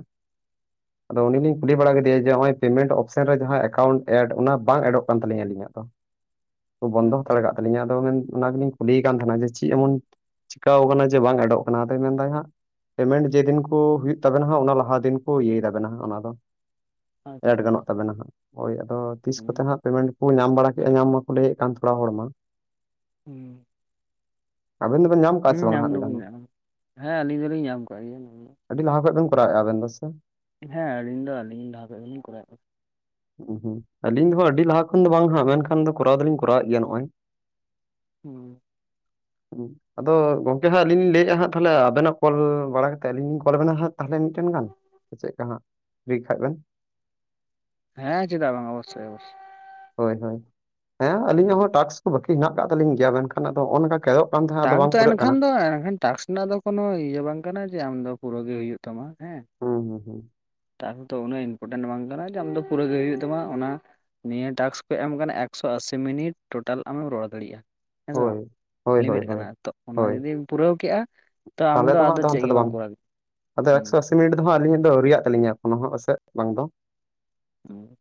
[SPEAKER 1] ᱟᱫᱚ ᱩᱱᱤᱧ ᱠᱩᱞᱤ ᱵᱟᱲᱟ ᱠᱮᱫᱮᱭᱟ, ᱡᱮ, ᱱᱚᱜᱼᱚᱭ ᱯᱮᱢᱮᱱᱴ ᱚᱯᱥᱮᱱ ᱨᱮ, ᱡᱟᱦᱟᱸ ᱮᱠᱟᱣᱩᱱᱴ ᱮᱰ, ᱚᱱᱟ ᱵᱟᱝ ᱮᱰᱚᱜ, ᱠᱟᱱ ᱛᱟᱹᱞᱤᱧᱟ ᱟᱹᱞᱤᱧᱟᱜ ᱫᱚ ᱾
[SPEAKER 2] (unintelligible)
[SPEAKER 1] ᱵᱚᱱᱫᱚ ᱦᱟᱛᱟᱲ ᱟᱠᱟᱫ ᱛᱟᱹᱞᱤᱧᱟ, ᱟᱫᱚ, ᱢᱮᱱ, ᱚᱱᱟ ᱜᱮ ᱞᱤᱧ ᱠᱩᱞᱤᱭᱮ ᱠᱟᱱ ᱛᱟᱦᱮᱱᱟ, ᱡᱮ, ᱪᱮᱫ ᱮᱢᱚᱱ ᱪᱤᱠᱟᱣ ᱟᱠᱟᱱᱟ, ᱡᱮ, ᱵᱟᱝ ᱮᱰᱚᱜ ᱠᱟᱱᱟ ᱾ ᱟᱫᱚᱭ ᱢᱮᱱ ᱮᱫᱟ ᱦᱟᱸᱜ ᱯᱮᱢᱮᱱᱴ ᱡᱮ ᱫᱤᱱ ᱠᱚ, ᱦᱩᱭᱳᱜ ᱛᱟᱵᱤᱱᱟ ᱾ ᱚᱱᱟ ᱞᱟᱦᱟ ᱫᱤᱱ ᱠᱚ, ᱤᱭᱟᱹᱭ ᱛᱟᱵᱤᱱᱟ ᱾ ᱚᱱᱟ ᱫᱚ ᱮᱰ
[SPEAKER 2] ᱟᱪᱪᱷᱟ
[SPEAKER 1] ᱜᱟᱱᱚᱜ
[SPEAKER 2] ᱟᱪᱪᱷᱟ
[SPEAKER 1] ᱛᱟᱵᱮᱱᱟ ᱦᱟᱸᱜ ᱳᱭ ᱟᱫᱚ ᱛᱤᱥ ᱠᱚᱛᱮ
[SPEAKER 2] ᱦᱩᱸ
[SPEAKER 1] ᱦᱟᱸᱜ ᱯᱮᱢᱮᱱᱴ ᱠᱚ ᱧᱟᱢ ᱵᱟᱲᱟ ᱠᱮᱜᱼᱟ ᱧᱟᱢ ᱢᱟᱠᱚ ᱞᱟᱹᱭᱮᱫ ᱠᱟᱱ ᱛᱷᱚᱲᱟ ᱦᱚᱲ ᱢᱟ
[SPEAKER 2] ᱦᱩᱸ
[SPEAKER 1] ᱟᱵᱮᱱ ᱫᱚ ᱵᱮᱱ ᱧᱟᱢ ᱠᱟᱜᱼᱟ
[SPEAKER 2] ᱦᱮᱸ
[SPEAKER 1] ᱥᱮ ᱵᱟᱝ
[SPEAKER 2] ᱧᱟᱢ
[SPEAKER 1] ᱦᱟᱸᱜ ᱢᱤᱫ
[SPEAKER 2] ᱫᱚᱠᱚ
[SPEAKER 1] ᱫᱷᱟᱣ ᱦᱚᱸ
[SPEAKER 2] ᱧᱟᱢ ᱦᱮᱸ ᱟᱹᱞᱤᱧ ᱦᱚᱞᱤᱧ ᱧᱟᱢ ᱟᱠᱟᱫ ᱜᱮᱭᱟ
[SPEAKER 1] ᱟᱹᱰᱤ ᱞᱟᱦᱟ ᱠᱷᱚᱡ ᱵᱮᱱ ᱠᱚᱨᱟᱣᱮᱫᱼᱟ᱾ ᱟᱵᱤᱱ ᱫᱚ ᱥᱮ
[SPEAKER 2] ᱦᱮᱸ ᱟᱹᱞᱤᱧ ᱫᱚ ᱟᱹᱞᱤᱧ ᱞᱟᱦᱟ ᱠᱷᱚᱡ ᱜᱮᱞᱤᱧ ᱠᱚᱨᱟᱣᱮᱜᱼᱟ᱾
[SPEAKER 1] ᱦᱩᱸ ᱦᱩᱸ ᱟᱹᱞᱤᱧ ᱦᱚᱸ ᱟᱹᱰᱤ ᱞᱟᱦᱟ ᱠᱷᱚᱱ ᱫᱚ ᱵᱟᱝ ᱦᱟᱸᱜ ᱢᱮᱱᱠᱷᱟᱱ ᱫᱚ ᱠᱚᱨᱟᱣ ᱫᱚᱞᱤᱧ ᱠᱚᱨᱟᱣᱮᱫ ᱜᱮᱭᱟ ᱱᱚᱜᱼᱚᱭ
[SPEAKER 2] ᱦᱩᱸ
[SPEAKER 1] (unintelligible) ᱟᱫᱚ ᱜᱚᱝᱠᱮ ᱦᱟᱸᱜ ᱟᱹᱞᱤᱧ ᱞᱤᱧ ᱞᱟᱹᱭᱮᱫᱼᱟ ᱦᱟᱸᱜ ᱛᱟᱞᱦᱮ ᱟᱵᱮᱱᱟᱜ ᱠᱚᱞ ᱵᱟᱲᱟ ᱠᱟᱛᱮᱫ ᱟᱹᱞᱤᱧ ᱞᱤᱧ ᱠᱚᱞ ᱟᱵᱮᱱᱟ ᱦᱟᱸᱜ ᱛᱟᱞᱦᱮ ᱢᱤᱫᱴᱮᱱ ᱜᱟᱱ ᱪᱮᱫ ᱠᱟᱜ ᱦᱟᱸᱜ ᱞᱟᱹᱭ ᱠᱷᱟᱡ ᱵᱮᱱ
[SPEAKER 2] ᱦᱮᱸ ᱪᱮᱫᱟᱜ ᱵᱟᱸᱜᱟ ᱚᱵᱚᱥᱟᱹᱭ ᱚᱵᱚᱥᱟᱹᱭ
[SPEAKER 1] ᱦᱳᱭ ᱦᱳᱭ ᱦᱮᱸ ᱟᱹᱞᱤᱧᱟᱜ
[SPEAKER 2] ᱦᱩᱸ
[SPEAKER 1] ᱦᱚᱸ ᱴᱟᱥᱠ ᱠᱚ ᱵᱟᱹᱠᱤ ᱦᱮᱱᱟᱜ ᱟᱠᱟᱫ ᱛᱟᱹᱞᱤᱧ ᱜᱮᱭᱟ ᱢᱮᱱᱠᱷᱟᱱ ᱟᱫᱚ ᱱᱚᱜᱼᱚᱭ ᱱᱚᱝᱠᱟ ᱠᱮᱫᱚᱜ ᱠᱟᱱ ᱛᱟᱦᱮᱸᱫ ᱟᱫᱚ
[SPEAKER 2] ᱴᱟᱝ
[SPEAKER 1] ᱵᱟᱝ
[SPEAKER 2] ᱛᱟᱦᱮᱱ
[SPEAKER 1] ᱯᱩᱨᱟᱹᱜ
[SPEAKER 2] ᱠᱷᱟᱱ
[SPEAKER 1] ᱠᱟᱱᱟ
[SPEAKER 2] ᱫᱚ ᱮᱱᱠᱷᱟᱱ ᱴᱟᱥᱠ ᱨᱮᱱᱟᱜ ᱫᱚ ᱠᱳᱱᱳ ᱤᱭᱟᱹ ᱵᱟᱝ ᱠᱟᱱᱟ ᱡᱮ ᱟᱢ ᱫᱚ ᱯᱩᱨᱟᱹᱣ ᱜᱮ ᱦᱩᱭᱩᱜ ᱛᱟᱢᱟ ᱦᱮᱸ
[SPEAKER 1] ᱦᱮᱸ ᱦᱮᱸ ᱦᱮᱸ
[SPEAKER 2] ᱴᱟᱝ ᱫᱚ ᱩᱱᱟᱹᱜ ᱤᱱᱯᱳᱴᱮᱱ ᱵᱟᱝ ᱠᱟᱱᱟ ᱡᱮ ᱟᱢ ᱫᱚ ᱯᱩᱨᱟᱹ ᱜᱮ ᱦᱩᱭᱩᱜ ᱛᱟᱢᱟ ᱚᱱᱟ ᱱᱤᱭᱟᱹ ᱴᱟᱥᱠ ᱠᱚ ᱮᱢ ᱟᱠᱟᱱᱟ ᱮᱠᱥᱚ ᱟᱥᱤ ᱢᱤᱱᱤᱴ ᱴᱳᱴᱟᱞ ᱟᱢᱮᱢ ᱨᱚᱲ ᱫᱟᱲᱮᱭᱟᱜᱼᱟ᱾ ᱦᱮᱸ ᱥᱮ ᱵᱟᱝ
[SPEAKER 1] ᱦᱳᱭ ᱦᱳᱭ ᱦᱳᱭ
[SPEAKER 2] ᱞᱤᱢᱤᱴ
[SPEAKER 1] ᱦᱳᱭ
[SPEAKER 2] ᱠᱟᱱᱟ ᱛᱚ ᱚᱱᱟ
[SPEAKER 1] ᱦᱳᱭ
[SPEAKER 2] ᱡᱩᱫᱤᱢ ᱯᱩᱨᱟᱹᱣ ᱠᱮᱜᱼᱟ᱾ ᱛᱚ ᱟᱢ
[SPEAKER 1] ᱛᱟᱦᱚᱞᱮ
[SPEAKER 2] ᱫᱚ
[SPEAKER 1] ᱦᱟᱸᱜ
[SPEAKER 2] ᱟᱫᱚ ᱪᱮᱫ
[SPEAKER 1] ᱚᱱᱛᱮ
[SPEAKER 2] ᱜᱮ
[SPEAKER 1] ᱫᱚ
[SPEAKER 2] ᱵᱟᱢ
[SPEAKER 1] ᱵᱟᱝ
[SPEAKER 2] ᱠᱚᱨᱟᱣ
[SPEAKER 1] ᱟᱫᱚ
[SPEAKER 2] ᱦᱩᱸ
[SPEAKER 1] ᱮᱠᱥᱚ ᱟᱥᱤ ᱢᱤᱱᱤᱴ ᱫᱚ ᱦᱟᱸᱜ ᱟᱹᱞᱤᱧᱟᱜ ᱫᱚ ᱟᱹᱣᱨᱤᱭᱟᱜ ᱛᱟᱹᱞᱤᱧᱟ ᱠᱚᱱᱦᱚ ᱚᱥᱮᱫ ᱵᱟᱝ ᱫᱚ
[SPEAKER 2] ᱦᱩᱸ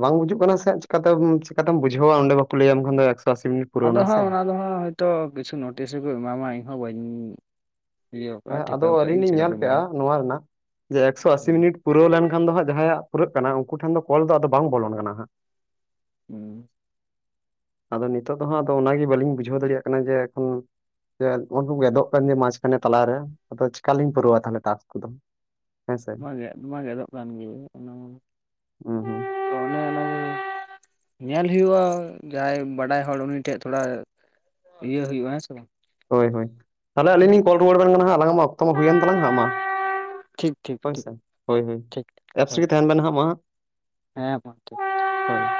[SPEAKER 1] ᱵᱟᱝ ᱵᱩᱡᱩᱜ ᱠᱟᱱᱟ ᱥᱮ ᱪᱮᱠᱟ ᱛᱮᱢ ᱪᱮᱠᱟ ᱛᱮᱢ ᱵᱩᱡᱷᱟᱹᱣᱟ ᱚᱸᱰᱮ ᱵᱟᱠᱚ ᱞᱟᱹᱭᱟᱢ ᱠᱷᱟᱱ ᱫᱚ ᱮᱠᱥᱚ ᱟᱥᱤ ᱢᱤᱱᱤᱴ
[SPEAKER 2] ᱟᱫᱚ
[SPEAKER 1] ᱯᱩᱨᱟᱹᱣᱱᱟ ᱥᱮ
[SPEAKER 2] ᱦᱟᱸᱜ ᱚᱱᱟ ᱫᱚ ᱦᱟᱸᱜ ᱦᱳᱭᱛᱚ ᱠᱤᱪᱷᱩ ᱱᱳᱴᱤᱥ ᱨᱮᱠᱚ ᱮᱢᱟᱢᱟ ᱤᱧᱦᱚᱸ ᱵᱟᱹᱧ ᱤᱭᱟᱹᱣ ᱠᱟᱜᱼᱟ
[SPEAKER 1] ᱦᱮᱸ ᱟᱫᱚ
[SPEAKER 2] ᱴᱷᱤᱠᱟᱹᱣ ᱠᱟᱜ
[SPEAKER 1] ᱟᱹᱞᱤᱧ
[SPEAKER 2] ᱟᱹᱧ
[SPEAKER 1] ᱞᱤᱧ
[SPEAKER 2] ᱪᱮᱠᱟ
[SPEAKER 1] ᱧᱮᱞ
[SPEAKER 2] ᱠᱚ
[SPEAKER 1] ᱠᱮᱜᱼᱟ
[SPEAKER 2] ᱧᱮᱞᱟ
[SPEAKER 1] ᱱᱚᱣᱟ ᱨᱮᱱᱟᱜ ᱡᱮ ᱮᱠᱥᱚ ᱟᱥᱤ ᱢᱤᱱᱤᱴ ᱯᱩᱨᱟᱹᱣ ᱞᱮᱱᱠᱷᱟᱱ ᱫᱚ ᱦᱟᱸᱜ ᱡᱟᱦᱟᱸᱭᱟᱜ ᱯᱩᱨᱟᱹᱜ ᱠᱟᱱᱟ ᱩᱱᱠᱩ ᱴᱷᱮᱱ ᱫᱚ ᱠᱚᱞ ᱫᱚ ᱟᱫᱚ ᱵᱟᱝ ᱵᱚᱞᱚᱱ ᱠᱟᱱᱟ ᱦᱟᱸᱜ
[SPEAKER 2] ᱦᱮᱸ
[SPEAKER 1] ᱟᱫᱚ ᱱᱤᱛᱚᱜ ᱫᱚ ᱦᱟᱸᱜ ᱚᱱᱟᱜᱮ ᱵᱟᱹᱞᱤᱧ ᱵᱩᱡᱷᱟᱹᱣ ᱫᱟᱲᱮᱭᱟᱜ ᱠᱟᱱᱟ ᱡᱮ ᱮᱠᱷᱚᱱ ᱡᱮ ᱱᱚᱜᱼᱚᱭ ᱜᱮᱫᱚᱜ ᱠᱟᱱᱡᱮ ᱢᱟᱪᱷ ᱠᱟᱱᱮ ᱛᱟᱞᱟ ᱨᱮ ᱟᱫᱚ ᱪᱮᱠᱟ ᱞᱤᱧ ᱯᱩᱨᱟᱹᱣᱟ ᱛᱟᱞᱦᱮ ᱴᱟᱥᱠ ᱠᱚᱫᱚ ᱦᱮᱸᱥᱮ
[SPEAKER 2] ᱢᱟ ᱜᱮᱫ ᱢᱟ ᱜᱮᱫᱚᱜ ᱠᱟᱱ ᱜᱮ ᱚᱱᱟ ᱢᱟᱱᱮ
[SPEAKER 1] ᱦᱩᱸ ᱦᱩᱸ
[SPEAKER 2] ᱟᱫᱚ ᱚᱱᱮ ᱚᱱᱟᱜᱮ ᱧᱮᱞ ᱦᱩᱭᱩᱜᱼᱟ᱾ ᱡᱟᱦᱟᱸᱭ ᱵᱟᱰᱟᱭ ᱦᱚᱲ ᱩᱱᱤ ᱴᱷᱮᱡ ᱛᱷᱚᱲᱟ ᱤᱭᱟᱹ ᱦᱩᱭᱩᱜᱼᱟ ᱦᱮᱸ ᱥᱮ ᱵᱟᱝ
[SPEAKER 1] ᱦᱳᱭ ᱦᱳᱭ ᱛᱟᱞᱦᱮ ᱟᱹᱞᱤᱧ ᱞᱤᱧ ᱠᱚᱞ ᱨᱩᱣᱟᱹᱲ ᱟᱵᱮᱱ ᱠᱟᱱᱟ ᱦᱟᱸᱜ ᱟᱞᱟᱝ ᱢᱟ ᱱᱤᱛᱚᱜ ᱢᱟ ᱦᱩᱭᱮᱱ ᱛᱟᱞᱟᱝᱼᱟ ᱦᱟᱸᱜ ᱢᱟ
[SPEAKER 2] ᱴᱷᱤᱠ ᱴᱷᱤᱠ ᱴᱷᱤᱠ
[SPEAKER 1] ᱦᱚᱭᱥᱮ ᱦᱚᱭ ᱦᱚᱭ
[SPEAKER 2] ᱴᱷᱤᱠ
[SPEAKER 1] ᱮᱯᱥ
[SPEAKER 2] ᱦᱳᱭ
[SPEAKER 1] ᱨᱮᱜᱮ ᱛᱟᱦᱮᱱ ᱵᱮᱱ ᱦᱟᱸᱜ ᱢᱟᱦᱟᱸᱜ
[SPEAKER 2] ᱦᱮᱸ ᱢᱟ ᱛᱚᱵᱮ
[SPEAKER 1] ᱦᱳᱭ